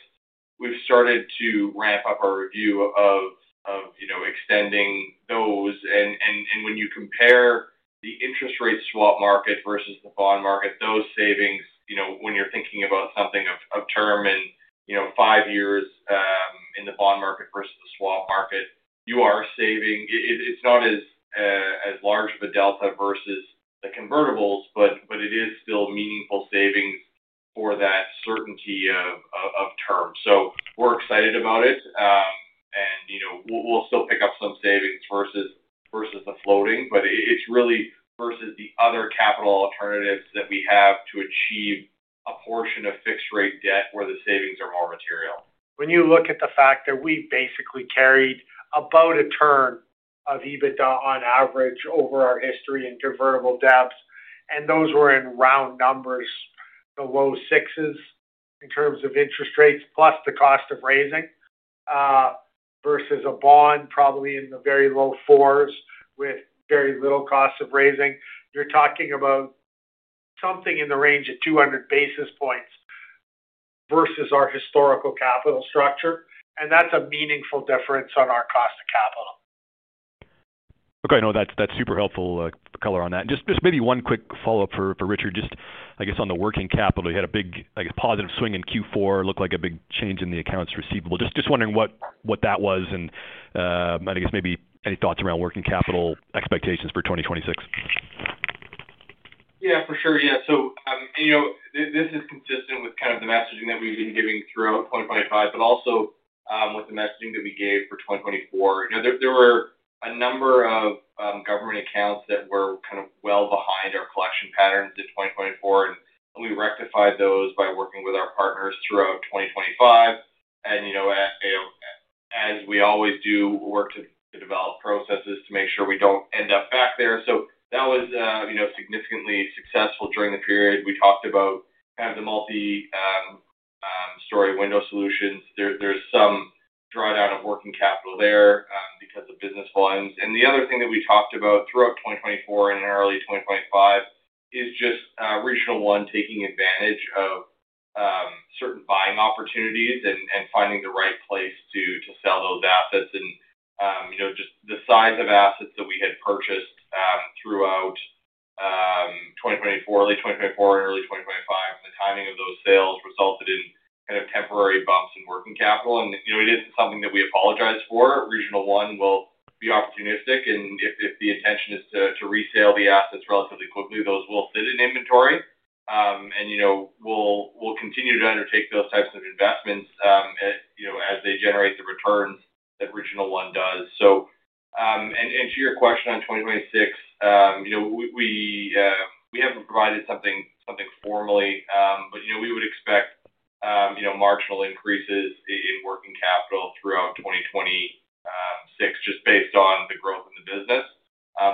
We've started to ramp up our review of, you know, extending those. When you compare the interest rate swap market versus the bond market, those savings, you know, when you're thinking about something of term and, you know, 5 years, in the bond market versus the swap market, you are saving. It's not as large of a delta versus the convertibles, but it is still meaningful savings for that certainty of term. We're excited about it. You know, we'll still pick up some savings versus the floating, but it's really versus the other capital alternatives that we have to achieve a portion of fixed rate debt where the savings are more material. When you look at the fact that we basically carried about a turn of EBITDA on average over our history in convertible debts, and those were in round numbers, the low sixes in terms of interest rates, plus the cost of raising, versus a bond, probably in the very low fours, with very little cost of raising. You're talking about something in the range of 200 basis points versus our historical capital structure, and that's a meaningful difference on our cost of capital. Okay, no, that's super helpful color on that. Just maybe one quick follow-up for Richard. Just, I guess, on the working capital, you had a big, like, a positive swing in Q4. Looked like a big change in the accounts receivable. Just wondering what that was and, I guess maybe any thoughts around working capital expectations for 2026? Yeah, for sure. Yeah. You know, this is consistent with kind of the messaging that we've been giving throughout 2025, but also with the messaging that we gave for 2024. You know, there were a number of government accounts that were kind of well behind our collection patterns in 2024, and we rectified those by working with our partners throughout 2025. You know, as we always do, work to develop processes to make sure we don't end up back there. That was, you know, significantly successful during the period. We talked about kind of the multi-story window solutions, there's some drawdown of working capital there because of business volumes. The other thing that we talked about throughout 2024 and in early 2025 is just Regional One taking advantage of certain buying opportunities and finding the right place to sell those assets. You know, just the size of assets that we had purchased throughout 2024, late 2024 and early 2025, the timing of those sales resulted in kind of temporary bumps in working capital. You know, it isn't something that we apologize for. Regional One will be opportunistic, and if the intention is to resale the assets relatively quickly, those will sit in inventory. You know, we'll continue to undertake those types of investments, as, you know, as they generate the returns that Regional One does. And, to your question on 2026, you know, we haven't provided something formally, but, you know, we would expect, you know, marginal increases in working capital throughout 2026, just based on the growth in the business.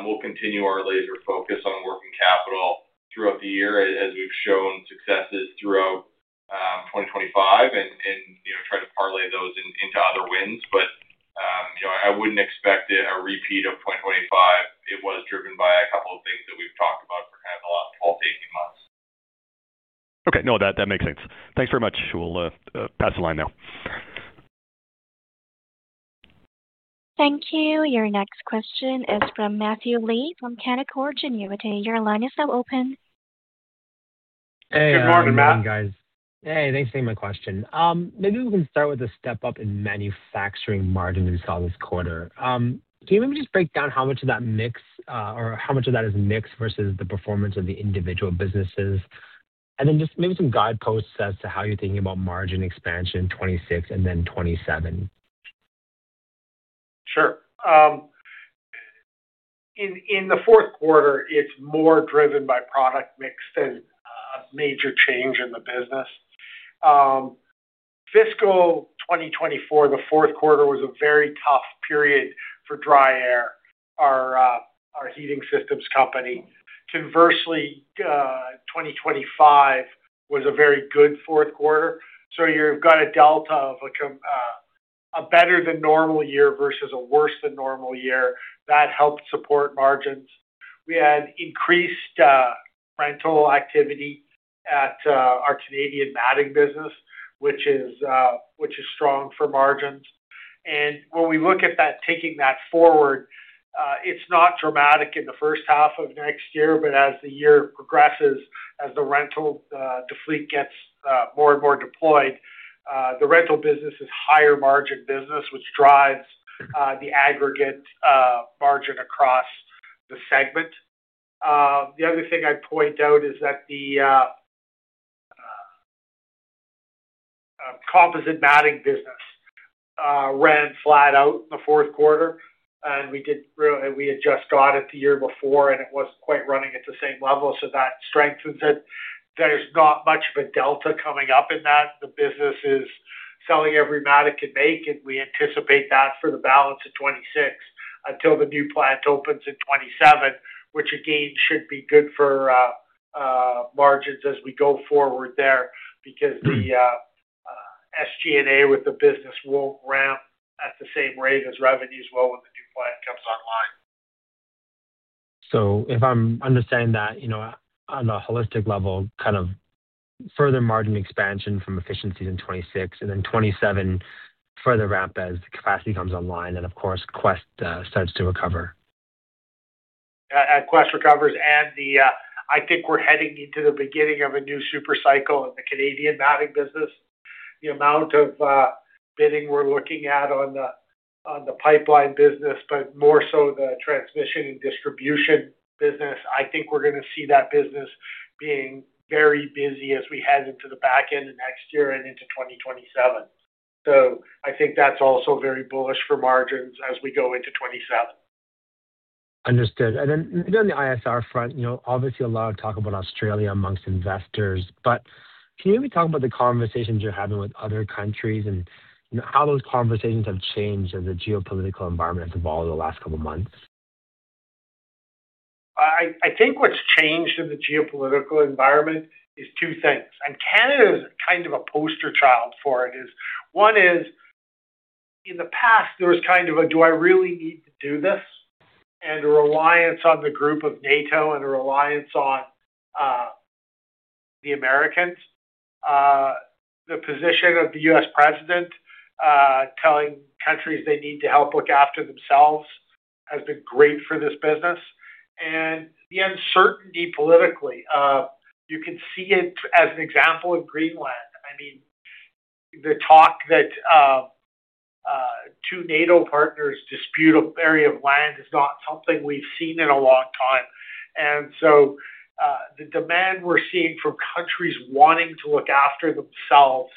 We'll continue our laser focus on working capital throughout the year, as we've shown successes throughout 2025 and, you know, try to parlay those into other wins. You know, I wouldn't expect it a repeat of 2025. It was driven by a couple of things that we've talked about for kind of the last 12-18 months. Okay. No, that makes sense. Thanks very much. We'll pass the line now. Thank you. Your next question is from Matthew Lee from Canaccord Genuity. Your line is now open. Hey- Good morning, Matt. Morning, guys. Hey, thanks for taking my question. Maybe we can start with a step up in manufacturing margin that we saw this quarter. Do you maybe just break down how much of that mix, or how much of that is mix versus the performance of the individual businesses? Just maybe some guideposts as to how you're thinking about margin expansion in 2026 and then 2027? Sure. In the 4th quarter, it's more driven by product mix than a major change in the business. Fiscal 2024, the 4th quarter, was a very tough period for DryAir. Our heating systems company. Conversely, 2025 was a very good 4th quarter, so you've got a delta of like a better than normal year versus a worse than normal year. That helped support margins. We had increased rental activity at our Canadian matting business, which is strong for margins. When we look at that, taking that forward, it's not dramatic in the first half of next year, but as the year progresses, as the rental, the fleet gets more and more deployed, the rental business is higher margin business, which drives the aggregate margin across the segment. The other thing I'd point out is that the composite matting business ran flat out in the 4th quarter. We had just got it the year before, and it wasn't quite running at the same level, so that strengthens it. There's not much of a delta coming up in that. The business is selling every mat it can make, and we anticipate that for the balance of 2026 until the new plant opens in 2027, which again, should be good for margins as we go forward there, because the SG&A with the business won't ramp at the same rate as revenues will when the new plant comes online. If I'm understanding that, you know, on a holistic level, kind of further margin expansion from efficiencies in 26 and then 27, further ramp as the capacity comes online, and of course, Quest starts to recover. Quest recovers, and I think we're heading into the beginning of a new super cycle in the Canadian matting business. The amount of bidding we're looking at on the, on the pipeline business, but more so the transmission and distribution business, I think we're going to see that business being very busy as we head into the back end of next year and into 2027. I think that's also very bullish for margins as we go into 2027. Understood. Then on the ISR front, you know, obviously a lot of talk about Australia amongst investors, but can you maybe talk about the conversations you're having with other countries and, you know, how those conversations have changed as the geopolitical environment has evolved in the last couple of months? I think what's changed in the geopolitical environment is two things, and Canada is kind of a poster child for it. One is, in the past, there was kind of a, Do I really need to do this? And a reliance on the group of NATO and a reliance on the Americans. The position of the U.S. President telling countries they need to help look after themselves has been great for this business. The uncertainty politically, you can see it as an example in Greenland. I mean, the talk that two NATO partners dispute an area of land is not something we've seen in a long time. The demand we're seeing from countries wanting to look after themselves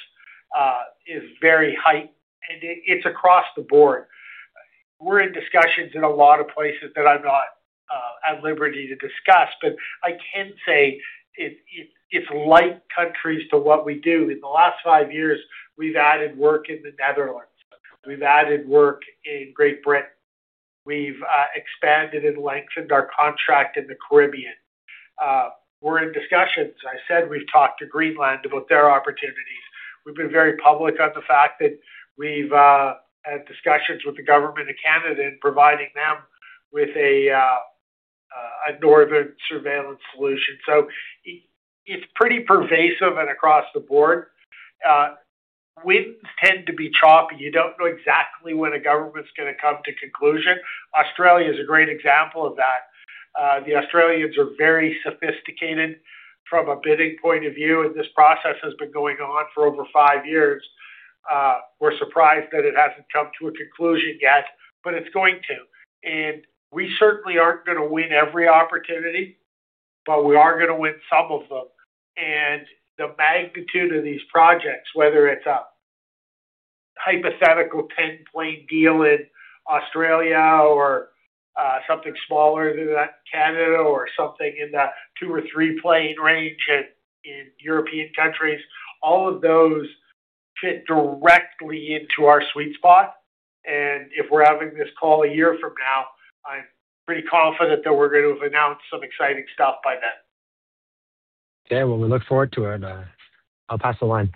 is very high, and it's across the board. We're in discussions in a lot of places that I'm not at liberty to discuss. I can say it's like countries to what we do. In the last five years, we've added work in the Netherlands, we've added work in Great Britain. We've expanded and lengthened our contract in the Caribbean. We're in discussions. I said we've talked to Greenland about their opportunities. We've been very public on the fact that we've had discussions with the Government of Canada in providing them with a northern surveillance solution. It's pretty pervasive and across the board, winds tend to be choppy. You don't know exactly when a government's gonna come to conclusion. Australia is a great example of that. The Australians are very sophisticated from a bidding point of view, and this process has been going on for over five years. We're surprised that it hasn't come to a conclusion yet, but it's going to. We certainly aren't gonna win every opportunity, but we are gonna win some of them. The magnitude of these projects, whether it's a hypothetical 10-plane deal in Australia or something smaller than that, Canada, or something in the two or three plane range in European countries, all of those fit directly into our sweet spot. If we're having this call a year from now, I'm pretty confident that we're going to have announced some exciting stuff by then. Okay, well, we look forward to it, I'll pass the line.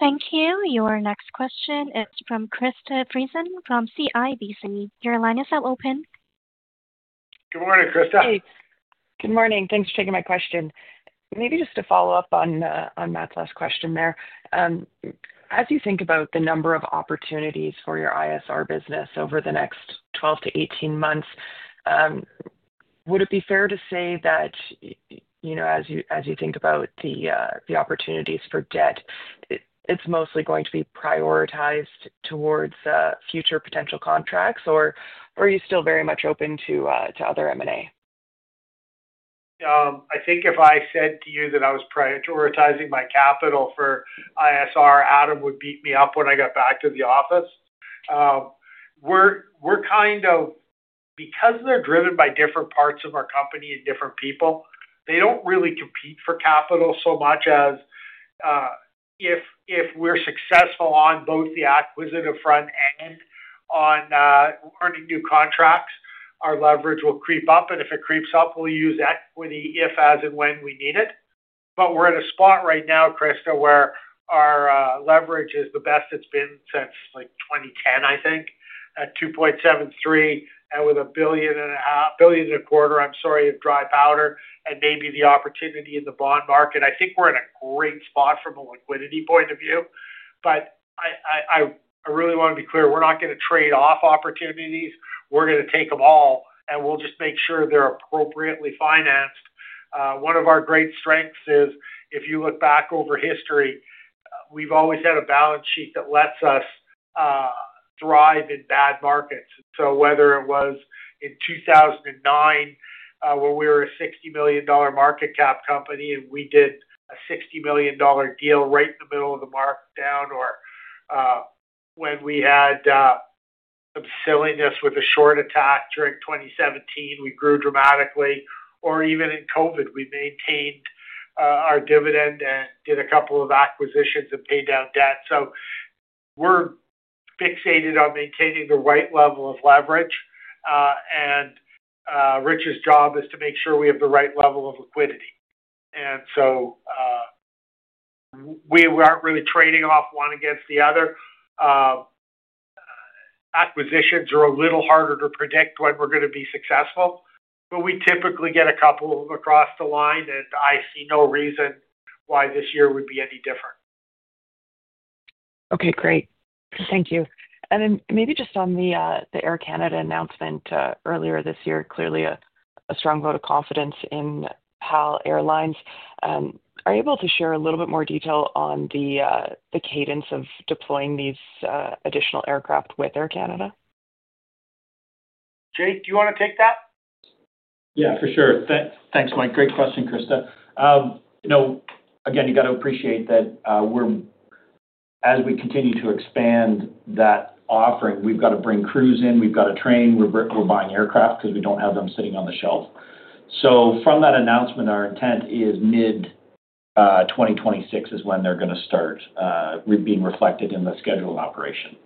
Thank you. Your next question is from Krista Friesen from CIBC. Your line is now open. Good morning, Krista. Hey. Good morning. Thanks for taking my question. Maybe just to follow up on Matthew's last question there, as you think about the number of opportunities for your ISR business over the next 12-18 months, would it be fair to say that, you know, as you think about the opportunities for debt, it's mostly going to be prioritized towards future potential contracts, or are you still very much open to other M&A? I think if I said to you that I was prioritizing my capital for ISR, Adam would beat me up when I got back to the office. We're kind of because they're driven by different parts of our company and different people, they don't really compete for capital so much as, if we're successful on both the acquisitive front end on earning new contracts, our leverage will creep up, and if it creeps up, we'll use equity if, as, and when we need it. We're at a spot right now, Krista, where our leverage is the best it's been since, like, 2010, I think, at 2.73, and with a billion and a half, billion and a quarter, I'm sorry, of dry powder and maybe the opportunity in the bond market. I think we're in a great spot from a liquidity point of view, but I really want to be clear, we're not going to trade off opportunities. We're going to take them all, and we'll just make sure they're appropriately financed. One of our great strengths is, if you look back over history, we've always had a balance sheet that lets us thrive in bad markets. So whether it was in 2009, where we were a 60 million dollar market cap company, and we did a 60 million dollar deal right in the middle of the markdown, or when we had some silliness with a short attack during 2017, we grew dramatically. Or even in COVID, we maintained our dividend and did a couple of acquisitions and paid down debt. We're fixated on maintaining the right level of leverage, and Rich's job is to make sure we have the right level of liquidity. We aren't really trading off one against the other. Acquisitions are a little harder to predict when we're going to be successful, but we typically get a couple of them across the line, and I see no reason why this year would be any different. Okay, great. Thank you. Maybe just on the Air Canada announcement earlier this year, clearly a strong vote of confidence in PAL Airlines. Are you able to share a little bit more detail on the cadence of deploying these additional aircraft with Air Canada? Jake, do you want to take that? Yeah, for sure. Thanks, Mike. Great question, Krista. You know, again, you got to appreciate that as we continue to expand that offering, we've got to bring crews in, we've got to train, we're buying aircraft because we don't have them sitting on the shelf. From that announcement, our intent is mid-2026 is when they're going to start being reflected in the scheduled operation.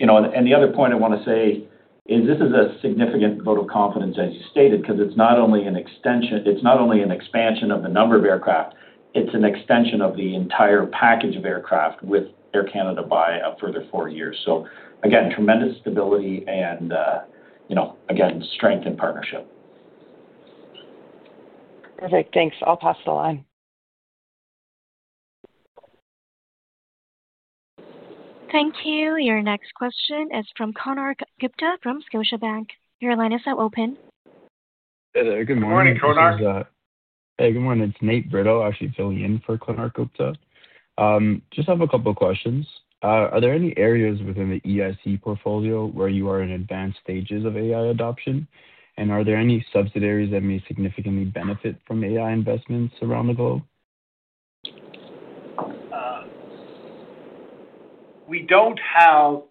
You know, and the other point I want to say is this is a significant vote of confidence, as you stated, because it's not only an expansion of the number of aircraft, it's an extension of the entire package of aircraft with Air Canada by a further four years. Again, tremendous stability and, you know, again, strength and partnership. Perfect. Thanks. I'll pass the line. Thank you. Your next question is from Konark Gupta from Scotiabank. Your line is now open. Hey there. Good morning. Good morning, Konark. Hey, good morning. It's Nate Britto, actually filling in for Konark Gupta. Just have a couple questions. Are there any areas within the EIC portfolio where you are in advanced stages of AI adoption? Are there any subsidiaries that may significantly benefit from AI investments around the globe? Uh, we don't have-...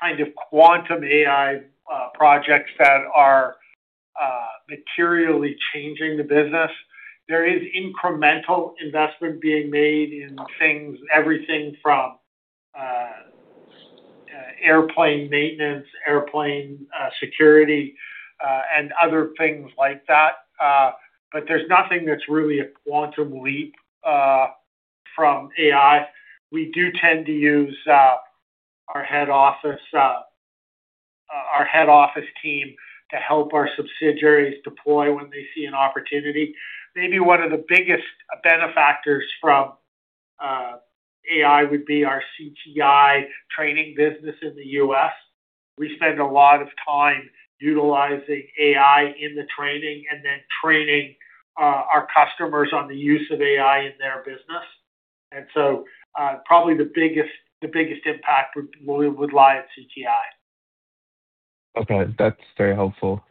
kind of quantum AI, uh, projects that are, uh, materially changing the business. There is incremental investment being made in things, everything from, uh, uh, airplane maintenance, airplane, uh, security, uh, and other things like that. Uh, but there's nothing that's really a quantum leap, uh, from AI. We do tend to use, uh, our head office, uh, our head office team to help our subsidiaries deploy when they see an opportunity. Maybe one of the biggest benefactors from, uh, AI would be our CTI training business in the US. We spend a lot of time utilizing AI in the training and then training, uh, our customers on the use of AI in their business. And so, uh, probably the biggest, the biggest impact would, would lie at CTI. Okay, that's very helpful.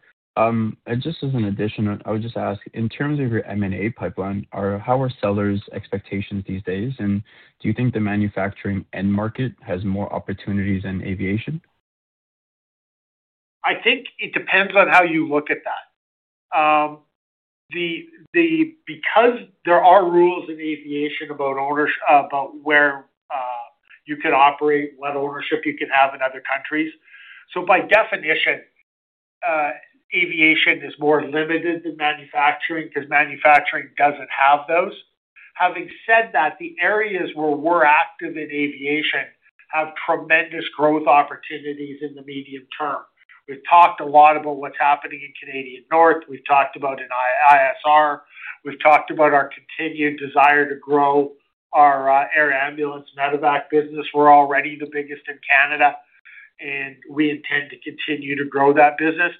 Just as an addition, I would just ask, in terms of your M&A pipeline, how are sellers' expectations these days? Do you think the manufacturing end market has more opportunities than aviation? I think it depends on how you look at that. Because there are rules in aviation about where you can operate, what ownership you can have in other countries, so by definition, aviation is more limited than manufacturing because manufacturing doesn't have those. Having said that, the areas where we're active in aviation have tremendous growth opportunities in the medium term. We've talked a lot about what's happening in Canadian North. We've talked about ISR. We've talked about our continued desire to grow our air ambulance medevac business. We're already the biggest in Canada. We intend to continue to grow that business.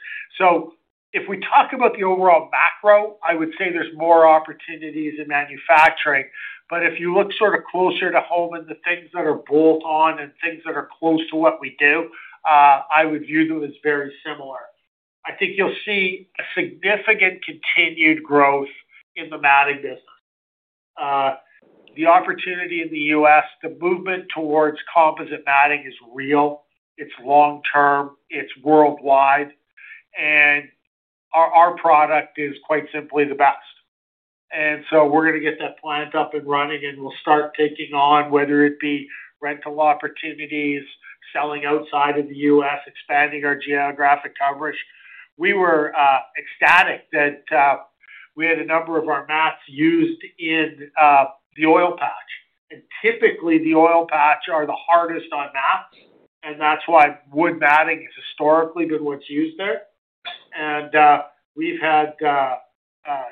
If we talk about the overall macro, I would say there's more opportunities in manufacturing, but if you look sort of closer to home and the things that are bolt-on and things that are close to what we do, I would view them as very similar. I think you'll see a significant continued growth in the matting business. The opportunity in the U.S., the movement towards composite matting is real, it's long-term, it's worldwide, and our product is quite simply the best. We're going to get that plant up and running, and we'll start taking on, whether it be rental opportunities, selling outside of the U.S., expanding our geographic coverage. We were ecstatic that we had a number of our mats used in the oil patch. Typically, the oil patch are the hardest on mats, and that's why wood matting is historically good what's used there. We've had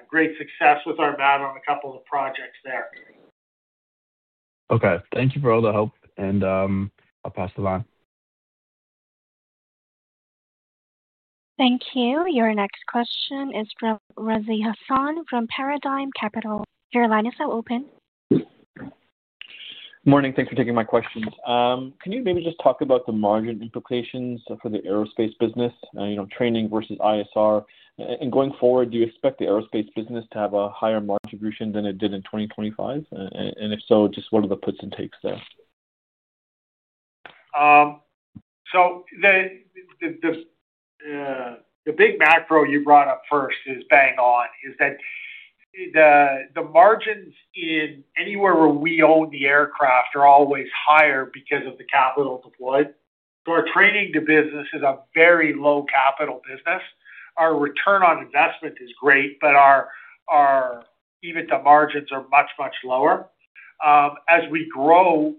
great success with our mat on a couple of projects there. Okay. Thank you for all the help, and, I'll pass the line. Thank you. Your next question is from Razi Hasan from Paradigm Capital. Your line is now open. Morning. Thanks for taking my questions. Can you maybe just talk about the margin implications for the aerospace business, you know, training versus ISR? Going forward, do you expect the aerospace business to have a higher margin than it did in 2025? If so, just what are the puts and takes there? The big macro you brought up first is bang on, is that the margins in anywhere where we own the aircraft are always higher because of the capital deployed. Our training to business is a very low capital business. Our return on investment is great, but our even the margins are much lower. As we grow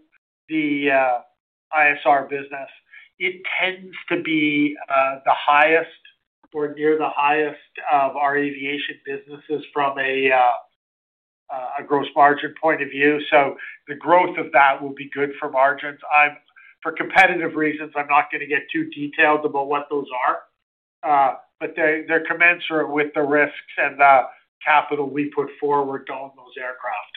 the ISR business, it tends to be the highest or near the highest of our aviation businesses from a gross margin point of view. The growth of that will be good for margins. For competitive reasons, I'm not going to get too detailed about what those are, but they're commensurate with the risks and the capital we put forward to own those aircraft.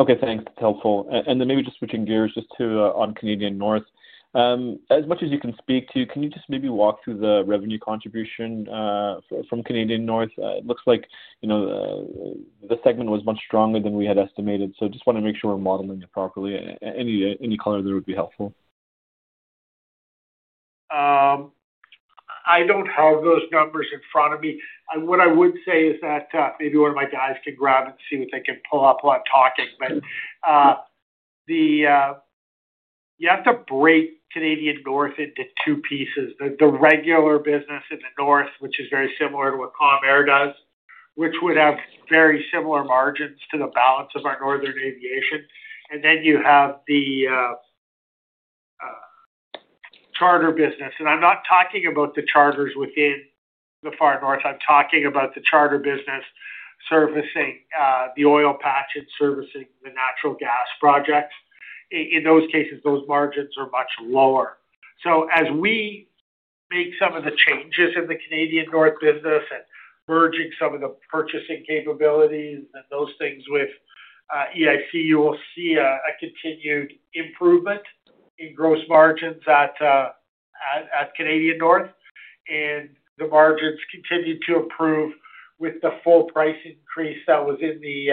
Okay, thanks. That's helpful. Then maybe just switching gears just to on Canadian North. As much as you can speak to, can you just maybe walk through the revenue contribution from Canadian North? It looks like, you know, the segment was much stronger than we had estimated, so just want to make sure we're modeling it properly. Any color there would be helpful. I don't have those numbers in front of me. What I would say is that maybe one of my guys can grab it and see what they can pull up while talking. You have to break Canadian North into two pieces: the regular business in the North, which is very similar to what Calm Air does, which would have very similar margins to the balance of our northern aviation. Then you have the charter business, and I'm not talking about the charters within the far north. I'm talking about the charter business servicing the oil patch and servicing the natural gas projects. In those cases, those margins are much lower. As we make some of the changes in the Canadian North business and merging some of the purchasing capabilities and those things with EIC, you will see a continued improvement in gross margins at Canadian North, and the margins continued to approve with the full price increase that was in the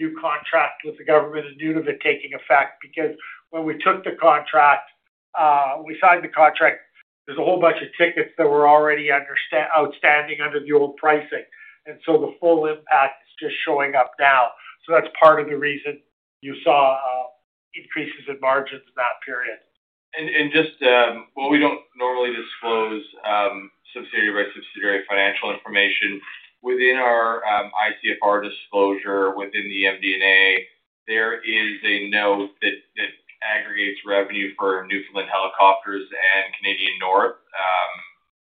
new contract with the government of Nunavut taking effect. Because when we took the contract, when we signed the contract, there's a whole bunch of tickets that were already outstanding under the old pricing. The full impact is just showing up now. That's part of the reason you saw increases in margins in that period. Well, we don't normally disclose subsidiary by subsidiary financial information. Within our ICFR disclosure, within the MD&A, there is a note that aggregates revenue for Newfoundland Helicopters and Canadian North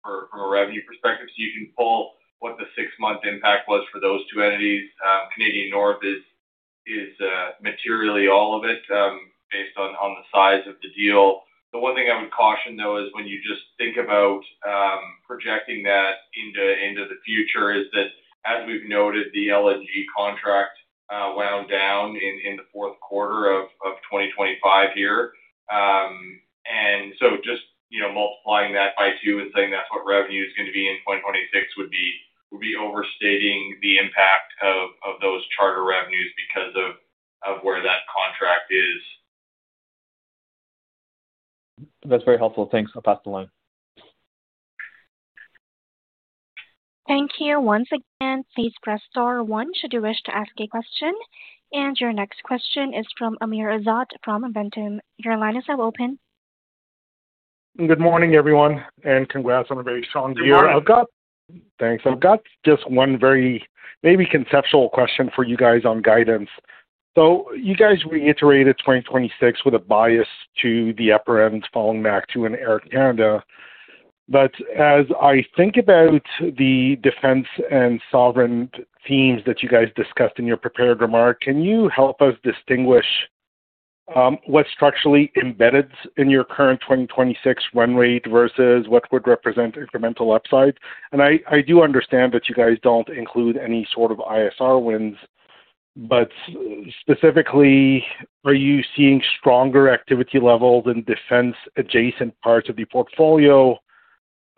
from a revenue perspective. You can pull what the six-month impact was for those two entities. Canadian North is materially all of it based on the size of the deal. The one thing I would caution, though, is when you just think about projecting that into the future, is that, as we've noted, the LNG contract wound down in the 4th quarter of 2025 here. Just, you know, multiplying that by 2 and saying that's what revenue is going to be in 2026 would be overstating the impact of those charter revenues because of where that contract is. That's very helpful. Thanks. I'll pass the line. Thank you. Once again, please press star 1 should you wish to ask a question. Your next question is from Amr Ezzat from Ventum Financial. Your line is now open. Good morning, everyone, and congrats on a very strong year. Good morning. Thanks. I've got just one very maybe conceptual question for you guys on guidance. You guys reiterated 2026 with a bias to the upper end, falling back to in Air Canada. As I think about the defense and sovereign themes that you guys discussed in your prepared remarks, can you help us distinguish what's structurally embedded in your current 2026 run rate versus what would represent incremental upside? I do understand that you guys don't include any sort of ISR wins, but specifically, are you seeing stronger activity levels in defense-adjacent parts of the portfolio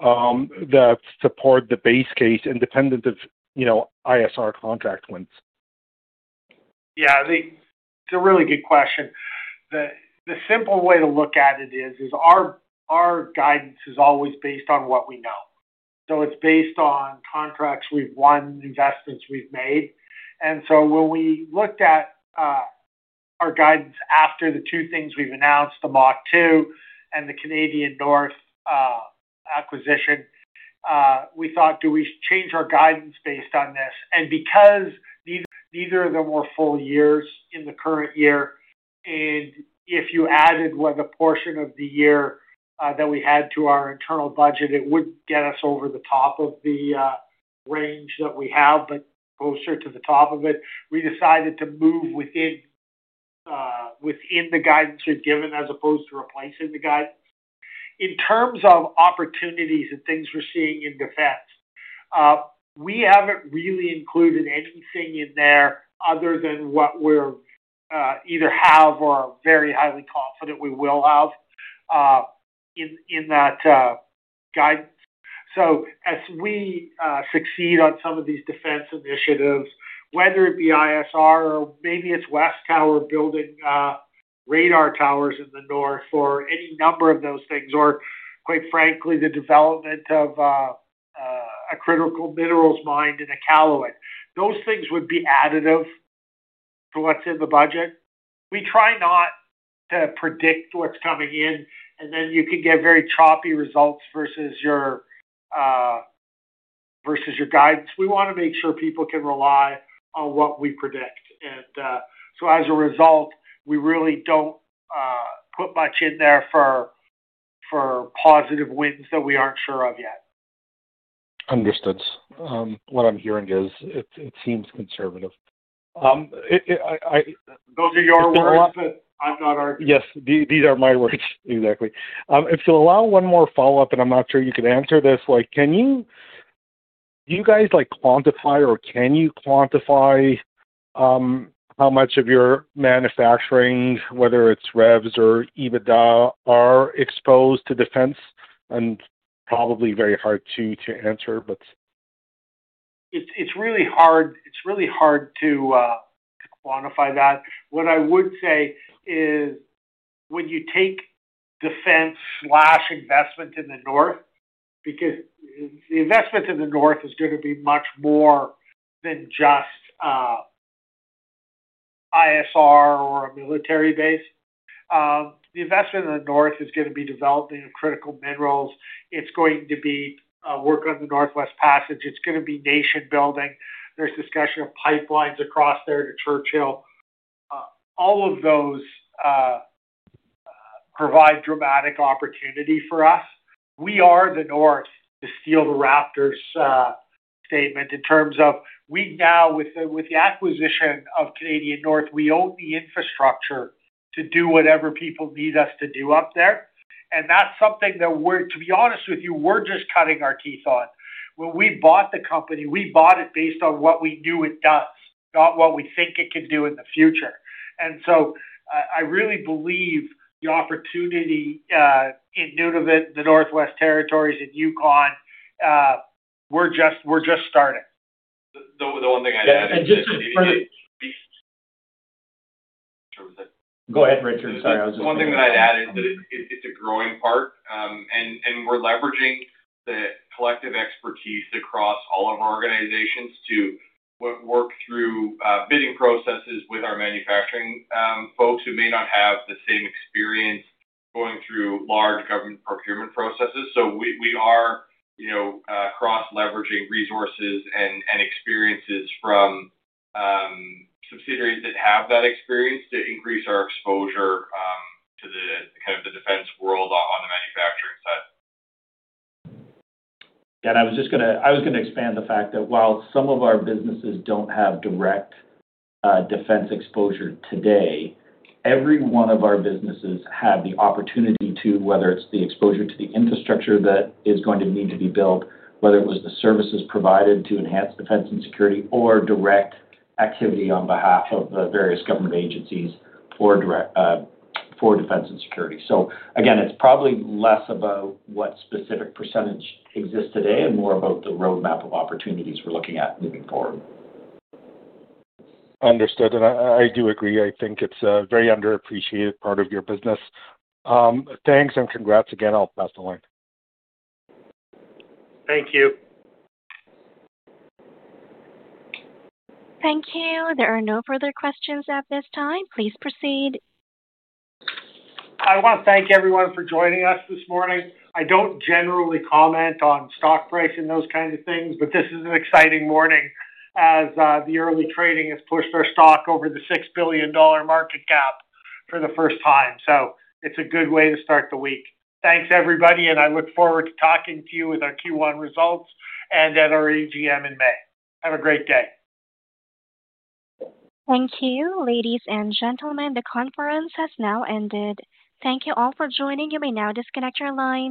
that support the base case independent of, you know, ISR contract wins? Yeah, I think it's a really good question. The simple way to look at it is our guidance is always based on what we know. It's based on contracts we've won, investments we've made. When we looked at our guidance after the two things we've announced, Mach II and the Canadian North acquisition, we thought, do we change our guidance based on this? Because neither of them were full years in the current year, and if you added what the portion of the year that we had to our internal budget, it would get us over the top of the range that we have, but closer to the top of it, we decided to move within the guidance we'd given, as opposed to replacing the guidance. In terms of opportunities and things we're seeing in defense, we haven't really included anything in there other than what we're either have or are very highly confident we will have in that guidance. As we succeed on some of these defence initiatives, whether it be ISR or maybe it's WesTower Communications building radar towers in the north or any number of those things, or quite frankly, the development of a critical minerals mine in Iqaluit, those things would be additive to what's in the budget. We try not to predict what's coming in, and then you can get very choppy results versus your versus your guidance. We want to make sure people can rely on what we predict. As a result, we really don't put much in there for positive wins that we aren't sure of yet. Understood. What I'm hearing is, it seems conservative. Those are your words, but I'm not arguing. Yes, these are my words. Exactly. If you'll allow one more follow-up, I'm not sure you could answer this, like, do you guys, like, quantify or can you quantify how much of your manufacturing, whether it's revs or EBITDA, are exposed to defense? Probably very hard to answer, but. It's really hard to quantify that. What I would say is, when you take defense/investment in the North, because the investment in the North is going to be much more than just ISR or a military base. The investment in the North is going to be developing in critical minerals. It's going to be work on the Northwest Passage. It's going to be nation-building. There's discussion of pipelines across there to Churchill. All of those provide dramatic opportunity for us. We are the North, to steal the Raptors statement, in terms of we now, with the acquisition of Canadian North, we own the infrastructure to do whatever people need us to do up there, and that's something that we're, to be honest with you, we're just cutting our teeth on. When we bought the company, we bought it based on what we knew it does, not what we think it can do in the future. I really believe the opportunity, in Nunavut, the Northwest Territories, in Yukon, we're just starting. The one thing I'd. just for the- Go ahead, Richard. Sorry, I was. One thing that I'd add is that it's a growing part, and we're leveraging the collective expertise across all of our organizations to work through bidding processes with our manufacturing folks who may not have the same experience going through large government procurement processes. We are, you know, cross-leveraging resources and experiences from subsidiaries that have that experience to increase our exposure to the kind of the defense world on the manufacturing side. I was just gonna expand the fact that while some of our businesses don't have direct defense exposure today, every one of our businesses have the opportunity to, whether it's the exposure to the infrastructure that is going to need to be built, whether it was the services provided to enhance defense and security, or direct activity on behalf of the various government agencies for direct for defense and security. Again, it's probably less about what specific percentage exists today and more about the roadmap of opportunities we're looking at moving forward. Understood. I do agree. I think it's a very underappreciated part of your business. Thanks, and congrats again. I'll pass the line. Thank you. Thank you. There are no further questions at this time. Please proceed. I want to thank everyone for joining us this morning. I don't generally comment on stock price and those kinds of things, this is an exciting morning as the early trading has pushed our stock over the 6 billion dollar market cap for the first time. It's a good way to start the week. Thanks, everybody, I look forward to talking to you with our Q1 results and at our AGM in May. Have a great day. Thank you. Ladies and gentlemen, the conference has now ended. Thank you all for joining. You may now disconnect your lines.